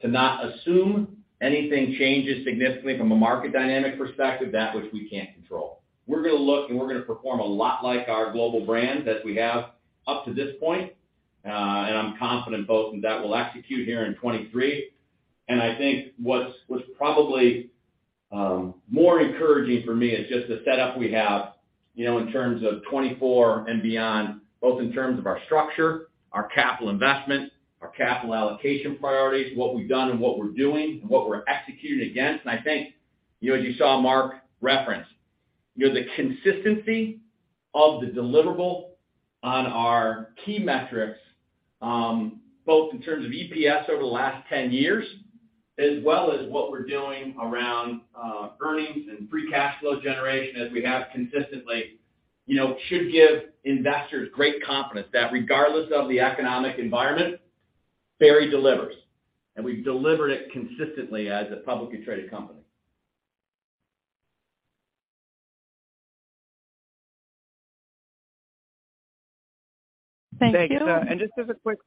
to not assume anything changes significantly from a market dynamic perspective, that which we can't control. We're gonna look and we're gonna perform a lot like our global brands as we have up to this point. I'm confident both in that we'll execute here in 2023. I think what's probably, more encouraging for me is just the setup we have, you know, in terms of 2024 and beyond, both in terms of our structure, our capital investment, our capital allocation priorities, what we've done and what we're doing and what we're executing against. I think, you know, as you saw Mark reference, you know, the consistency of the deliverable on our key metrics, both in terms of EPS over the last 10 years, as well as what we're doing around earnings and free cash flow generation as we have consistently, you know, should give investors great confidence that regardless of the economic environment, Berry delivers. We've delivered it consistently as a publicly traded company. Thank you. Thanks. Just as a quick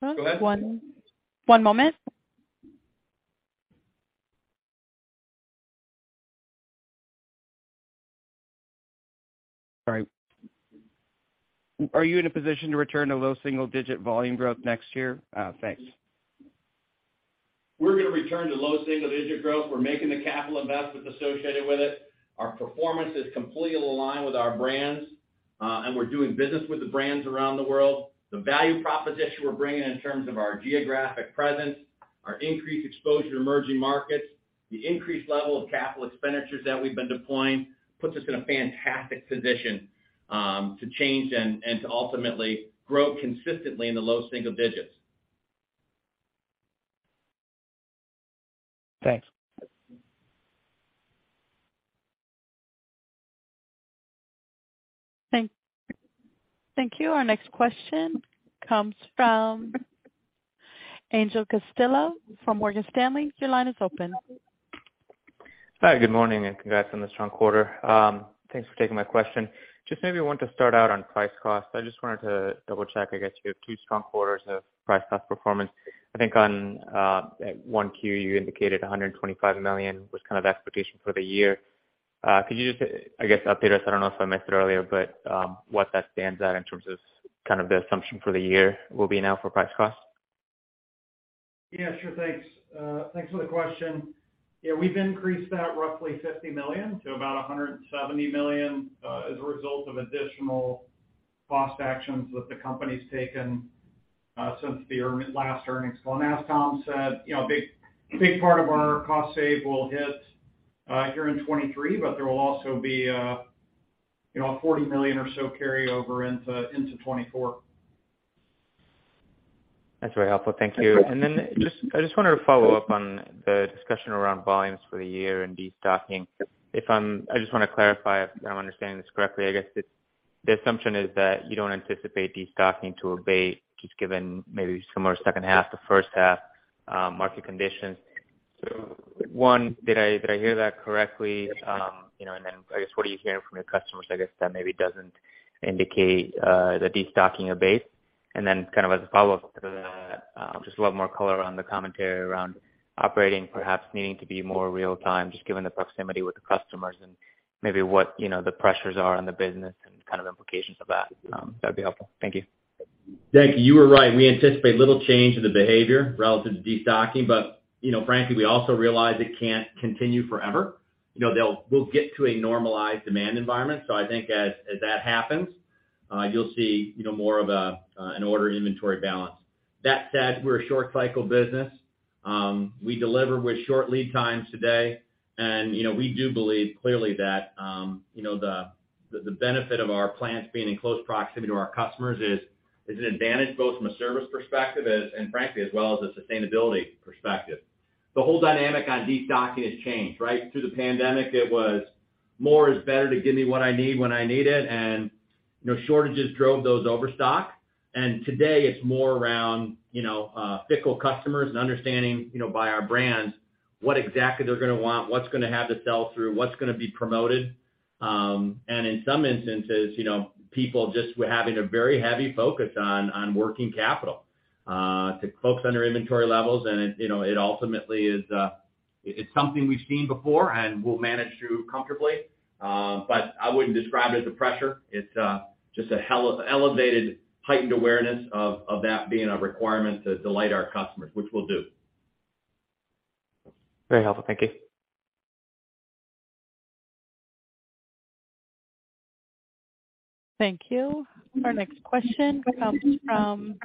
follow-up. One moment. Sorry. Are you in a position to return to low single digit volume growth next year? thanks. We're gonna return to low single-digit growth. We're making the capital investments associated with it. Our performance is completely aligned with our brands, and we're doing business with the brands around the world. The value proposition we're bringing in terms of our geographic presence, our increased exposure to emerging markets, the increased level of capital expenditures that we've been deploying puts us in a fantastic position to change and to ultimately grow consistently in the low single-digits. Thanks. Thank you. Our next question comes from Angel Castillo from Morgan Stanley. Your line is open. Hi, good morning. Congrats on the strong quarter. Thanks for taking my question. Just maybe want to start out on price cost. I just wanted to double check, I guess, you have two strong quarters of price cost performance. I think on at 1Q, you indicated $125 million was kind of expectation for the year. Could you just, I guess, update us? I don't know if I missed it earlier, but what that stands at in terms of kind of the assumption for the year will be now for price cost. Yeah, sure. Thanks. Thanks for the question. Yeah, we've increased that roughly $50 million to about $170 million, as a result of additional cost actions that the company's taken, since the last earnings call. As Tom said, you know, a big part of our cost save will hit here in 2023, but there will also be, you know, a $40 million or so carry over into 2024. That's very helpful. Thank you. I just wanted to follow up on the discussion around volumes for the year and destocking. I just wanna clarify if I'm understanding this correctly. I guess the assumption is that you don't anticipate destocking to abate, just given maybe similar second half to first half, market conditions. One, did I hear that correctly? you know, then I guess, what are you hearing from your customers, I guess, that maybe doesn't indicate the destocking abate? Then kind of as a follow-up to that, just a lot more color on the commentary around operating perhaps needing to be more real time, just given the proximity with the customers and maybe what, you know, the pressures are on the business and kind of implications of that. That'd be helpful. Thank you. Thank you. You were right. We anticipate little change in the behavior relative to destocking, you know, frankly, we also realize it can't continue forever. You know, we'll get to a normalized demand environment. I think as that happens, you'll see, you know, more of an order inventory balance. That said, we're a short cycle business. We deliver with short lead times today, and, you know, we do believe clearly that, you know, the benefit of our plants being in close proximity to our customers is an advantage both from a service perspective and frankly, as well as a sustainability perspective. The whole dynamic on destocking has changed, right? Through the pandemic, it was more is better to give me what I need when I need it, and, you know, shortages drove those overstock. Today it's more around, you know, fickle customers and understanding, you know, by our brands what exactly they're gonna want, what's gonna have the sell-through, what's gonna be promoted. In some instances, you know, people just were having a very heavy focus on working capital to close under inventory levels. It, you know, it ultimately is, it's something we've seen before and we'll manage through comfortably. I wouldn't describe it as a pressure. It's just a elevated, heightened awareness of that being a requirement to delight our customers, which we'll do. Very helpful. Thank you. Thank you. Our next question comes from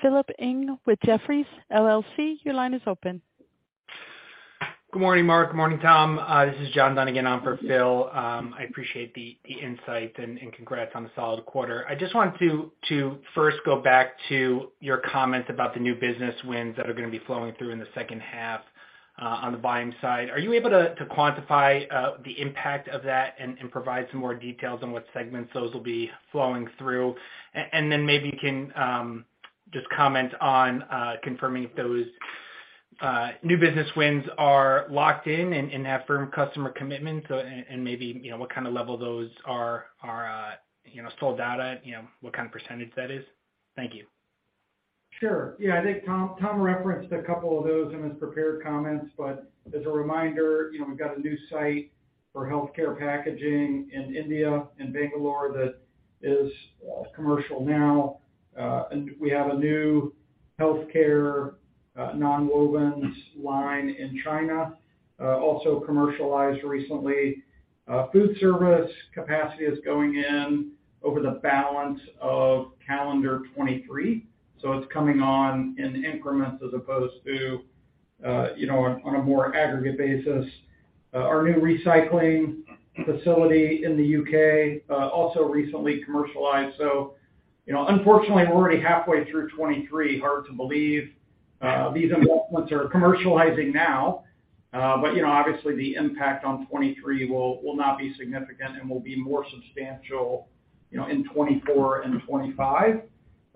Philip Ng with Jefferies LLC. Your line is open. Good morning, Mark. Good morning, Tom. This is John Dunn again on for Phil. I appreciate the insight and congrats on the solid quarter. I just wanted to first go back to your comments about the new business wins that are gonna be flowing through in the second half on the buying side. Are you able to quantify the impact of that and provide some more details on what segments those will be flowing through? Maybe you can just comment on confirming if those new business wins are locked in and have firm customer commitments and maybe, you know, what kind of level those are, you know, sold out at, you know, what kind of percentage that is? Thank you. Sure. Yeah, I think Tom referenced a couple of those in his prepared comments. As a reminder, you know, we've got a new site for healthcare packaging in India, in Bangalore, that is commercial now. We have a new healthcare nonwovens line in China, also commercialized recently. Food service capacity is going in over the balance of calendar 2023, so it's coming on in increments as opposed to, you know, on a more aggregate basis. Our new recycling facility in the U.K., also recently commercialized. You know, unfortunately, we're already halfway through 2023. Hard to believe, these investments are commercializing now. You know, obviously the impact on 2023 will not be significant and will be more substantial, you know, in 2024 and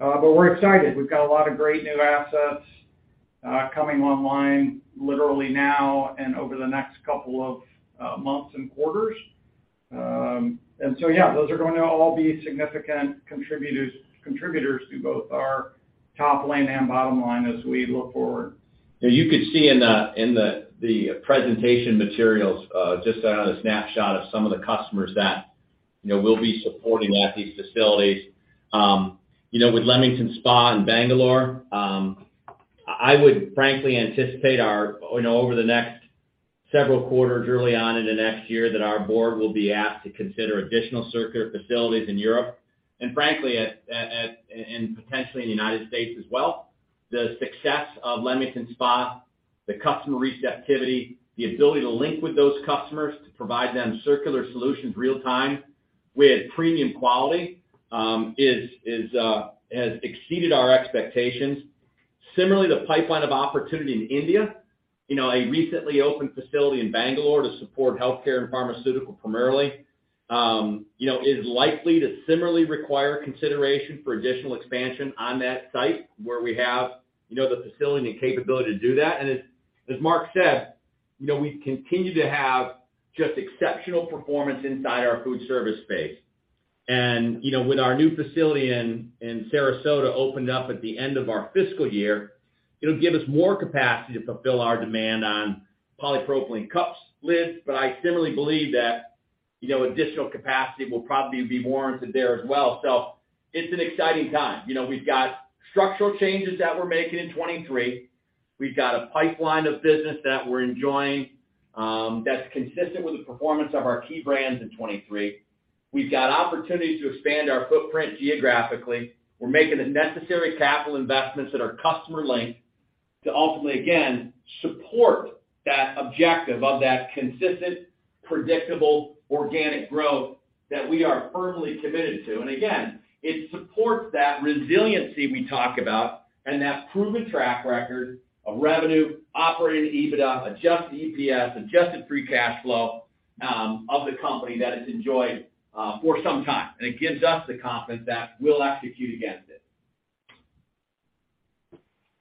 2025. We're excited. We've got a lot of great new assets, coming online literally now and over the next couple of months and quarters. Yeah, those are going to all be significant contributors to both our top line and bottom line as we look forward. Yeah, you could see in the presentation materials, just a snapshot of some of the customers that, you know, we'll be supporting at these facilities. You know, with Leamington Spa and Bangalore, I would frankly anticipate, you know, over the next several quarters early on in the next year, that our board will be asked to consider additional circular facilities in Europe, and frankly, and potentially in the United States as well. The success of Leamington Spa, the customer receptivity, the ability to link with those customers to provide them circular solutions real time with premium quality, is has exceeded our expectations. Similarly, the pipeline of opportunity in India, you know, a recently opened facility in Bangalore to support healthcare and pharmaceutical primarily, you know, is likely to similarly require consideration for additional expansion on that site where we have, you know, the facility and capability to do that. As Mark said, you know, we continue to have just exceptional performance inside our food service space. With our new facility in Sarasota opened up at the end of our fiscal year, it'll give us more capacity to fulfill our demand on polypropylene cups, lids, but I similarly believe that, you know, additional capacity will probably be warranted there as well. It's an exciting time. You know, we've got structural changes that we're making in 2023. We've got a pipeline of business that we're enjoying, that's consistent with the performance of our key brands in 2023. We've got opportunities to expand our footprint geographically. We're making the necessary capital investments that are customer linked to ultimately, again, support that objective of that consistent, predictable, organic growth that we are firmly committed to. Again, it supports that resiliency we talk about and that proven track record of revenue, operating EBITDA, Adjusted EPS, adjusted free cash flow, of the company that it's enjoyed for some time. It gives us the confidence that we'll execute against it.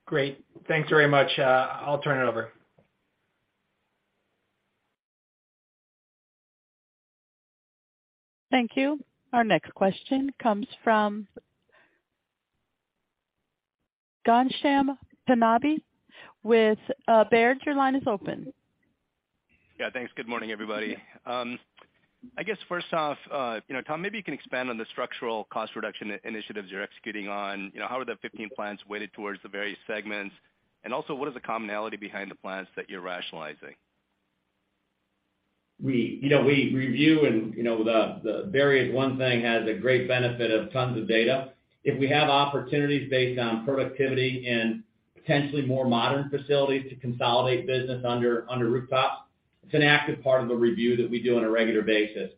Great. Thanks very much. I'll turn it over. Thank you. Our next question comes from Ghansham Panjabi with, Baird. Your line is open. Yeah, thanks. Good morning, everybody. I guess first off, you know, Tom, maybe you can expand on the structural cost reduction initiatives you're executing on. You know, how are the 15 plans weighted towards the various segments? Also, what is the commonality behind the plants that you're rationalizing? We, you know, we review and, you know, the various one thing has a great benefit of tons of data. If we have opportunities based on productivity and potentially more modern facilities to consolidate business under rooftops, it's an active part of a review that we do on a regular basis.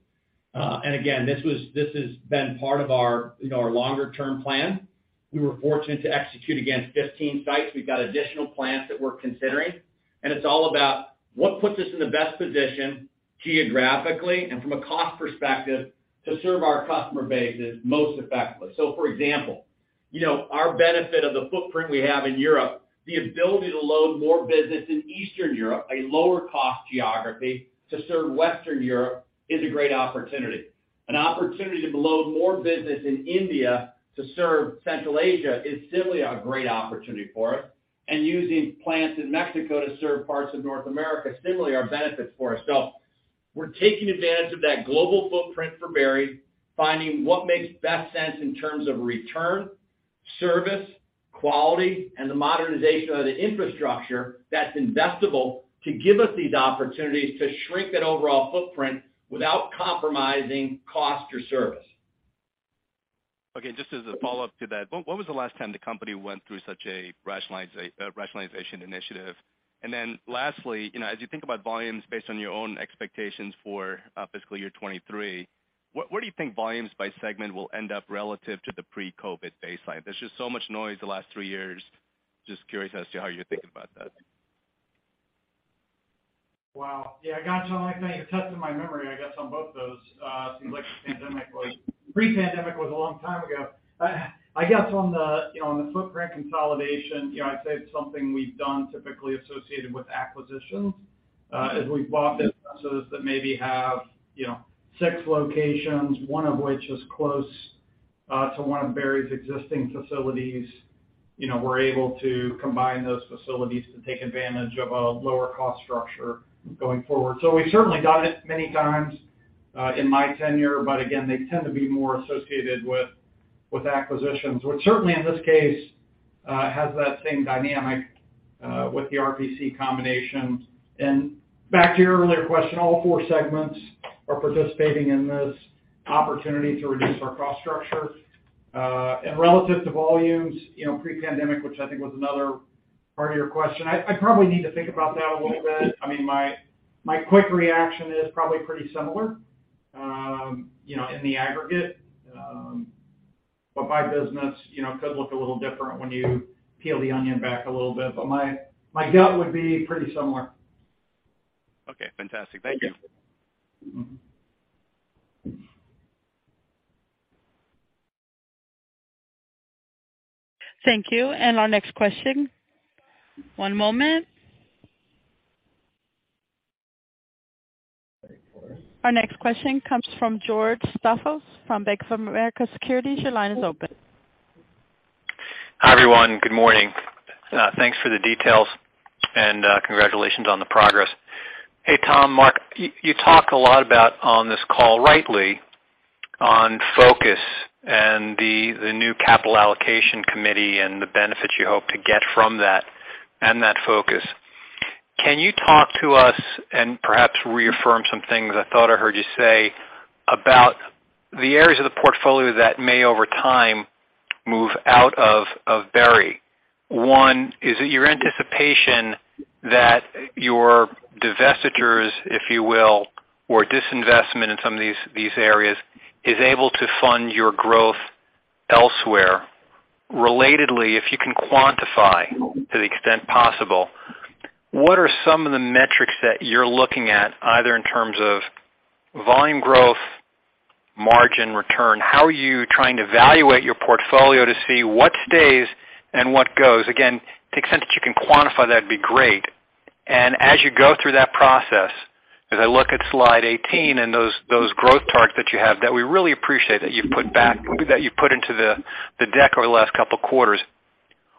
Again, this has been part of our, you know, our longer-term plan. We were fortunate to execute against 15 sites. We've got additional plants that we're considering, and it's all about what puts us in the best position geographically and from a cost perspective to serve our customer bases most effectively. For example, you know, our benefit of the footprint we have in Europe, the ability to load more business in Eastern Europe, a lower cost geography to serve Western Europe is a great opportunity. An opportunity to load more business in India to serve Central Asia is simply a great opportunity for us. Using plants in Mexico to serve parts of North America similarly are benefits for us. We're taking advantage of that global footprint for Berry, finding what makes best sense in terms of return, service, quality, and the modernization of the infrastructure that's investable to give us these opportunities to shrink that overall footprint without compromising cost or service. Okay, just as a follow-up to that, when was the last time the company went through such a rationalization initiative? Lastly, you know, as you think about volumes based on your own expectations for fiscal year 2023, where do you think volumes by segment will end up relative to the pre-COVID baseline? There's just so much noise the last three years. Just curious as to how you're thinking about that. Wow. Yeah, I got you. I think you're testing my memory, I guess on both those. Seems like Pre-pandemic was a long time ago. I guess on the, you know, on the footprint consolidation, you know, I'd say it's something we've done typically associated with acquisitions. As we've bought businesses that maybe have, you know, six locations, one of which is close to one of Berry's existing facilities, you know, we're able to combine those facilities to take advantage of a lower cost structure going forward. We've certainly done it many times in my tenure, but again, they tend to be more associated with acquisitions. Certainly in this case has that same dynamic with the RPC combination. Back to your earlier question, all four segments are participating in this opportunity to reduce our cost structure. Relative to volumes, you know, pre-pandemic, which I think was another part of your question, I probably need to think about that a little bit. I mean, my quick reaction is probably pretty similar, you know, in the aggregate. By business, you know, could look a little different when you peel the onion back a little bit. My gut would be pretty similar. Okay. Fantastic. Thank you. Yeah. Thank you. Our next question. One moment. Our next question comes from George Staphos from Bank of America Securities. Your line is open. Hi, everyone. Good morning. Thanks for the details and congratulations on the progress. Hey, Tom, Mark, you talk a lot about on this call rightly on focus and the new capital allocation committee and the benefits you hope to get from that and that focus. Can you talk to us and perhaps reaffirm some things I thought I heard you say about the areas of the portfolio that may over time move out of Berry? One, is it your anticipation that your divestitures, if you will, or disinvestment in some of these areas is able to fund your growth elsewhere? Relatedly, if you can quantify to the extent possible, what are some of the metrics that you're looking at either in terms of volume growth, margin return? How are you trying to evaluate your portfolio to see what stays and what goes? Again, to the extent that you can quantify that'd be great. As you go through that process, as I look at slide 18 and those growth targets that you have that we really appreciate that you've put back that you've put into the deck over the last couple of quarters,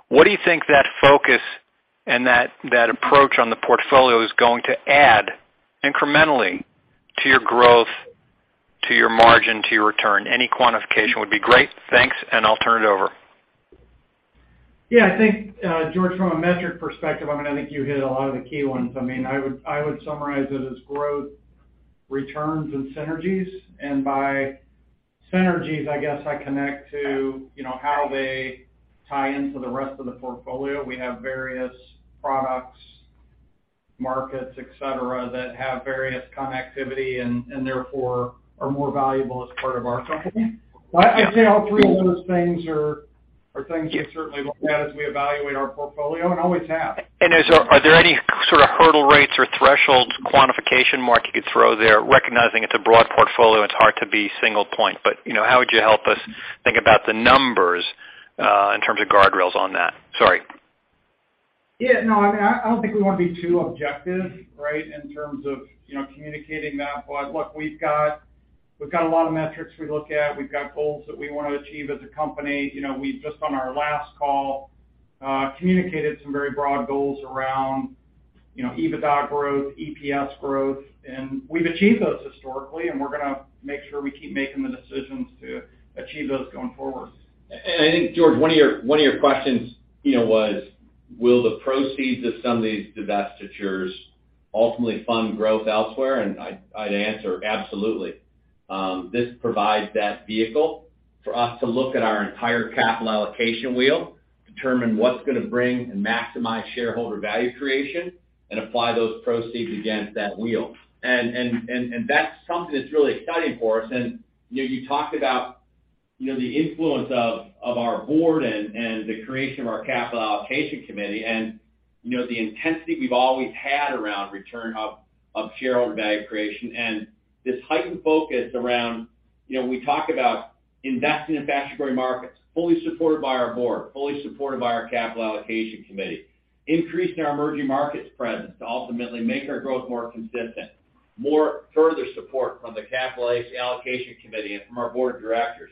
what do you think that focus and that approach on the portfolio is going to add incrementally to your growth, to your margin, to your return? Any quantification would be great. Thanks, and I'll turn it over. Yeah, I think, George, from a metric perspective, I mean, I think you hit a lot of the key ones. I mean, I would summarize it as growth returns and synergies. By synergies, I guess I connect to, you know, how they tie into the rest of the portfolio. We have various products, markets, et cetera, that have various connectivity and therefore are more valuable as part of our company. I'd say all three of those things are things we certainly look at as we evaluate our portfolio and always have. Are there any sort of hurdle rates or thresholds, quantification Mark you could throw there? Recognizing it's a broad portfolio, it's hard to be single point. You know, how would you help us think about the numbers, in terms of guardrails on that? Sorry. Yeah, no, I mean, I don't think we wanna be too objective, right, in terms of, you know, communicating that. Look, we've got a lot of metrics we look at. We've got goals that we wanna achieve as a company. You know, we just on our last call communicated some very broad goals around, you know, EBITDA growth, EPS growth, and we've achieved those historically, and we're gonna make sure we keep making the decisions to achieve those going forward. I think, George, one of your, one of your questions, you know, was will the proceeds of some of these divestitures ultimately fund growth elsewhere? I'd answer absolutely. This provides that vehicle for us to look at our entire capital allocation wheel, determine what's gonna bring and maximize shareholder value creation, and apply those proceeds against that wheel. That's something that's really exciting for us. You know, you talked about, you know, the influence of our board and the creation of our capital allocation committee and, you know, the intensity we've always had around return of shareholder value creation and this heightened focus around, you know, when we talk about investing in fast-growing markets, fully supported by our board, fully supported by our capital allocation committee, increasing our emerging markets presence to ultimately make our growth more consistent, more further support from the capital allocation committee and from our board of directors.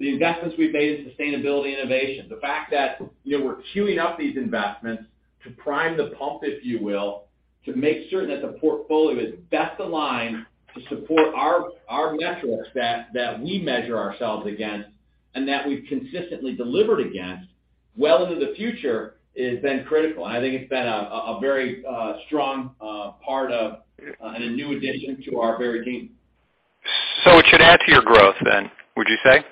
The investments we've made in sustainability innovation, the fact that, you know, we're queuing up these investments to prime the pump, if you will, to make certain that the portfolio is best aligned to support our metrics that we measure ourselves against and that we've consistently delivered against well into the future has been critical. I think it's been a very strong part of and a new addition to our Berry team. It should add to your growth, would you say?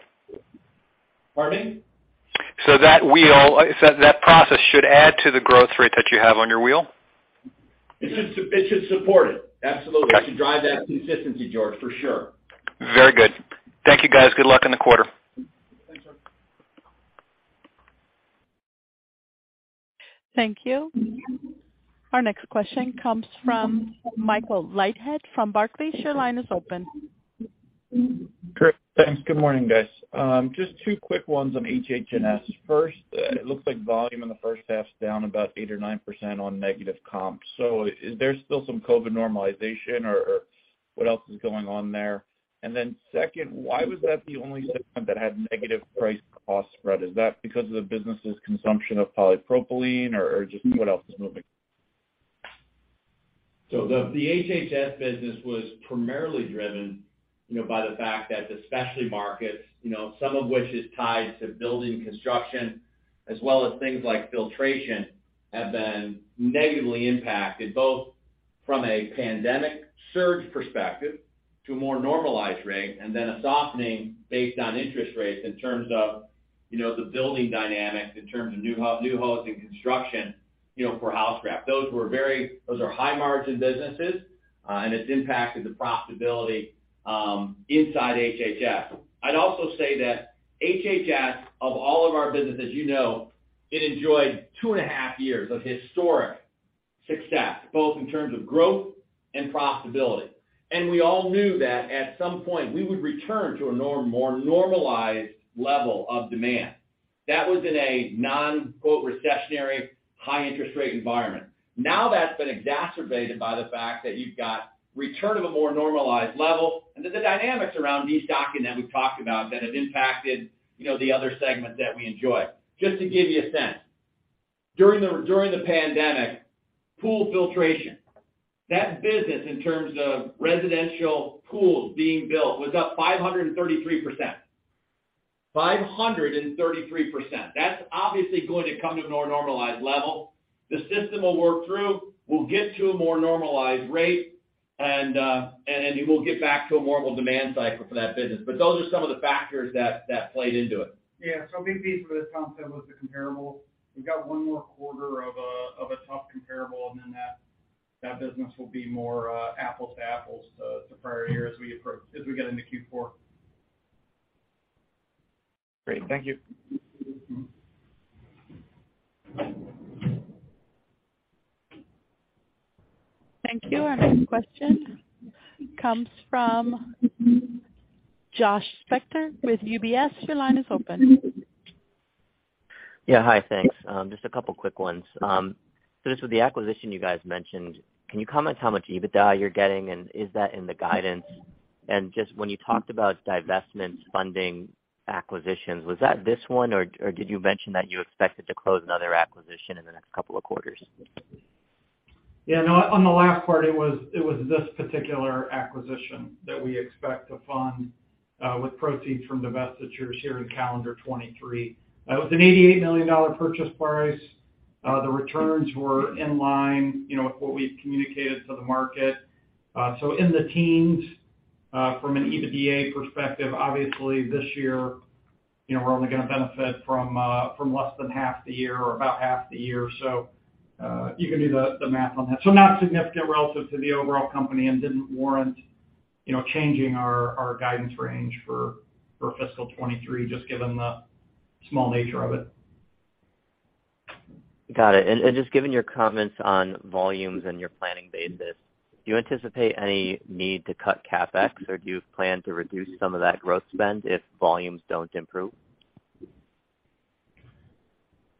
Pardon? That wheel, so that process should add to the growth rate that you have on your wheel. It should support it, absolutely. Okay. It should drive that consistency, George, for sure. Very good. Thank you, guys. Good luck in the quarter. Thanks, George. Thank you. Our next question comes from Michael Leithead from Barclays. Your line is open. Great. Thanks. Good morning, guys. Just two quick ones on HH&S. First, it looks like volume in the first half is down about 8% or 9% on negative comps. Is there still some COVID normalization or what else is going on there? Second, why was that the only segment that had negative price cost spread? Is that because of the business's consumption of polypropylene or just what else is moving? The HHS business was primarily driven, you know, by the fact that the specialty markets, you know, some of which is tied to building construction as well as things like filtration, have been negatively impacted, both from a pandemic surge perspective to a more normalized rate and then a softening based on interest rates in terms of, you know, the building dynamics in terms of new homes and construction, you know, for house wrap. Those are high margin businesses, and it's impacted the profitability inside HHS. I'd also say that HHS, of all of our businesses, you know, it enjoyed two and a half years of historic success, both in terms of growth and profitability. We all knew that at some point, we would return to a more normalized level of demand. That was in a non, quote, recessionary high interest rate environment. That's been exacerbated by the fact that you've got return of a more normalized level and then the dynamics around destocking that we've talked about that has impacted, you know, the other segments that we enjoy. Just to give you a sense, during the pandemic, pool filtration, that business in terms of residential pools being built was up 533%. 533%. That's obviously going to come to a more normalized level. The system will work through. We'll get to a more normalized rate, and we will get back to a normal demand cycle for that business. Those are some of the factors that played into it. Yeah. A big piece of it, Tom said, was the comparable. We've got one more quarter of a tough comparable, then that business will be more apples to apples to prior year as we get into Q4. Great. Thank you. Thank you. Our next question comes from Joshua Spector with UBS. Your line is open. Hi. Thanks. Just a couple quick ones. Just with the acquisition you guys mentioned, can you comment how much EBITDA you're getting, and is that in the guidance? When you talked about divestments funding acquisitions, was that this one, or did you mention that you expected to close another acquisition in the next couple of quarters? No, on the last part, it was this particular acquisition that we expect to fund with proceeds from divestitures here in calendar 2023. It was an $88 million purchase price. The returns were in line, you know, with what we've communicated to the market. In the teens, from an EBITDA perspective, obviously this year, you know, we're only gonna benefit from less than half the year or about half the year. You can do the math on that. Not significant relative to the overall company and didn't warrant, you know, changing our guidance range for fiscal 2023, just given the small nature of it. Got it. Just given your comments on volumes and your planning basis, do you anticipate any need to cut CapEx, or do you plan to reduce some of that growth spend if volumes don't improve?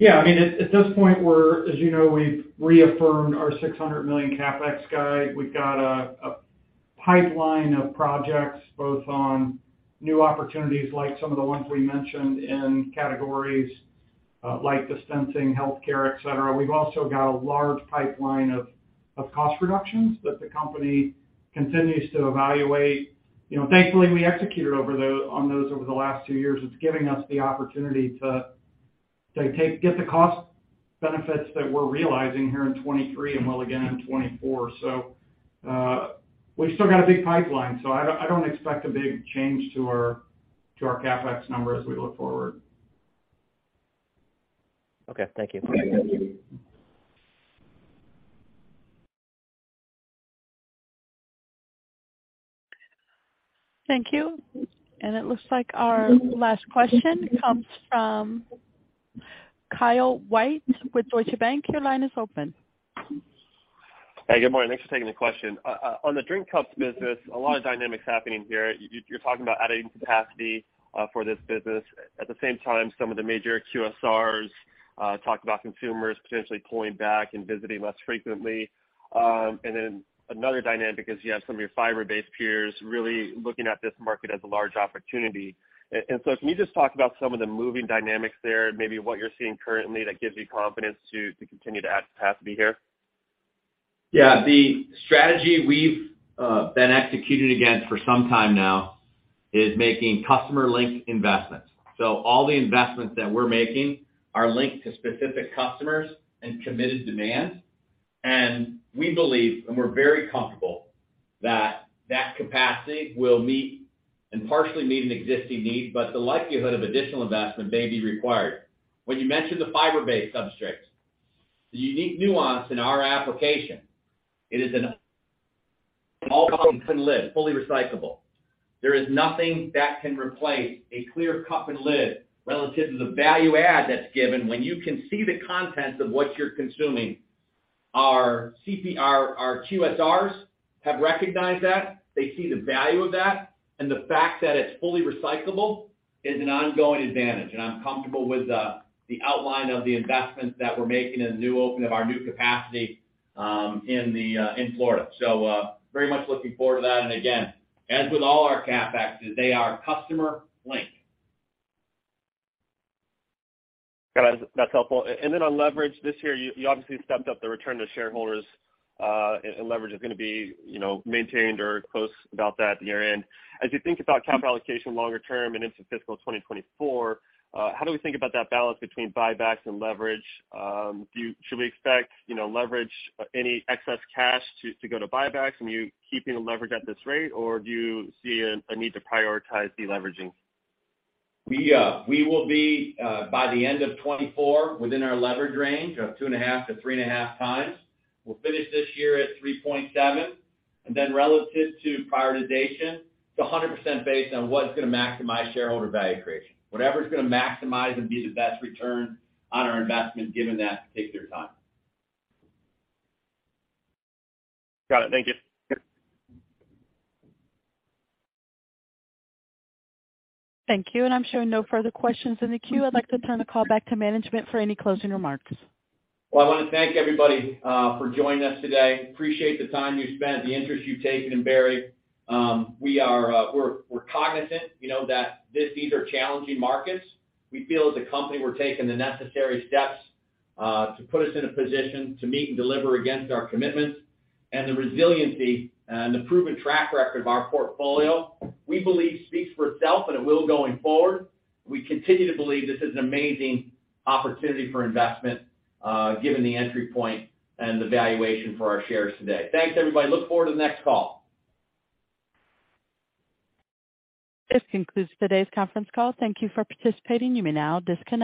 Yeah. I mean, at this point, we're, as you know, we've reaffirmed our $600 million CapEx guide. We've got a Pipeline of projects, both on new opportunities like some of the ones we mentioned in categories, like dispensing, healthcare, et cetera. We've also got a large pipeline of cost reductions that the company continues to evaluate. You know, thankfully, we executed on those over the last two years. It's giving us the opportunity to get the cost benefits that we're realizing here in 2023 and will again in 2024. We still got a big pipeline, so I don't expect a big change to our CapEx number as we look forward. Okay. Thank you. Thank you. Thank you. It looks like our last question comes from Kyle White with Deutsche Bank. Your line is open. Hey, good morning. Thanks for taking the question. On the drink cups business, a lot of dynamics happening here. You're talking about adding capacity for this business. At the same time, some of the major QSRs talked about consumers potentially pulling back and visiting less frequently. Another dynamic is you have some of your fiber-based peers really looking at this market as a large opportunity. Can you just talk about some of the moving dynamics there, maybe what you're seeing currently that gives you confidence to continue to add capacity here? The strategy we've been executing against for some time now is making customer link investments. All the investments that we're making are linked to specific customers and committed demand. We believe, and we're very comfortable that that capacity will meet and partially meet an existing need, but the likelihood of additional investment may be required. When you mention the fiber-based substrates, the unique nuance in our application, it is an all cup and lid, fully recyclable. There is nothing that can replace a clear cup and lid relative to the value add that's given when you can see the contents of what you're consuming. Our QSRs have recognized that. They see the value of that, and the fact that it's fully recyclable is an ongoing advantage. I'm comfortable with the outline of the investments that we're making in the new open of our new capacity in Florida. Very much looking forward to that. Again, as with all our CapExes, they are customer linked. Got it. That's helpful. Then on leverage, this year, you obviously stepped up the return to shareholders, and leverage is gonna be, you know, maintained or close about that at the year-end. As you think about capital allocation longer term and into fiscal 2024, how do we think about that balance between buybacks and leverage? Should we expect, you know, leverage, any excess cash to go to buybacks? You keeping the leverage at this rate, or do you see a need to prioritize deleveraging? We will be by the end of 2024, within our leverage range of 2.5x-3.5x. We'll finish this year at 3.7x. Relative to prioritization, it's 100% based on what's gonna maximize shareholder value creation. Whatever's gonna maximize and be the best return on our investment given that particular time. Got it. Thank you. Thank you. I'm showing no further questions in the queue. I'd like to turn the call back to management for any closing remarks. Well, I wanna thank everybody for joining us today. Appreciate the time you spent, the interest you've taken in Berry. We're cognizant, you know, that these are challenging markets. We feel as a company, we're taking the necessary steps to put us in a position to meet and deliver against our commitments. The resiliency and the proven track record of our portfolio, we believe speaks for itself, and it will going forward. We continue to believe this is an amazing opportunity for investment, given the entry point and the valuation for our shares today. Thanks, everybody. Look forward to the next call. This concludes today's conference call. Thank you for participating. You may now disconnect.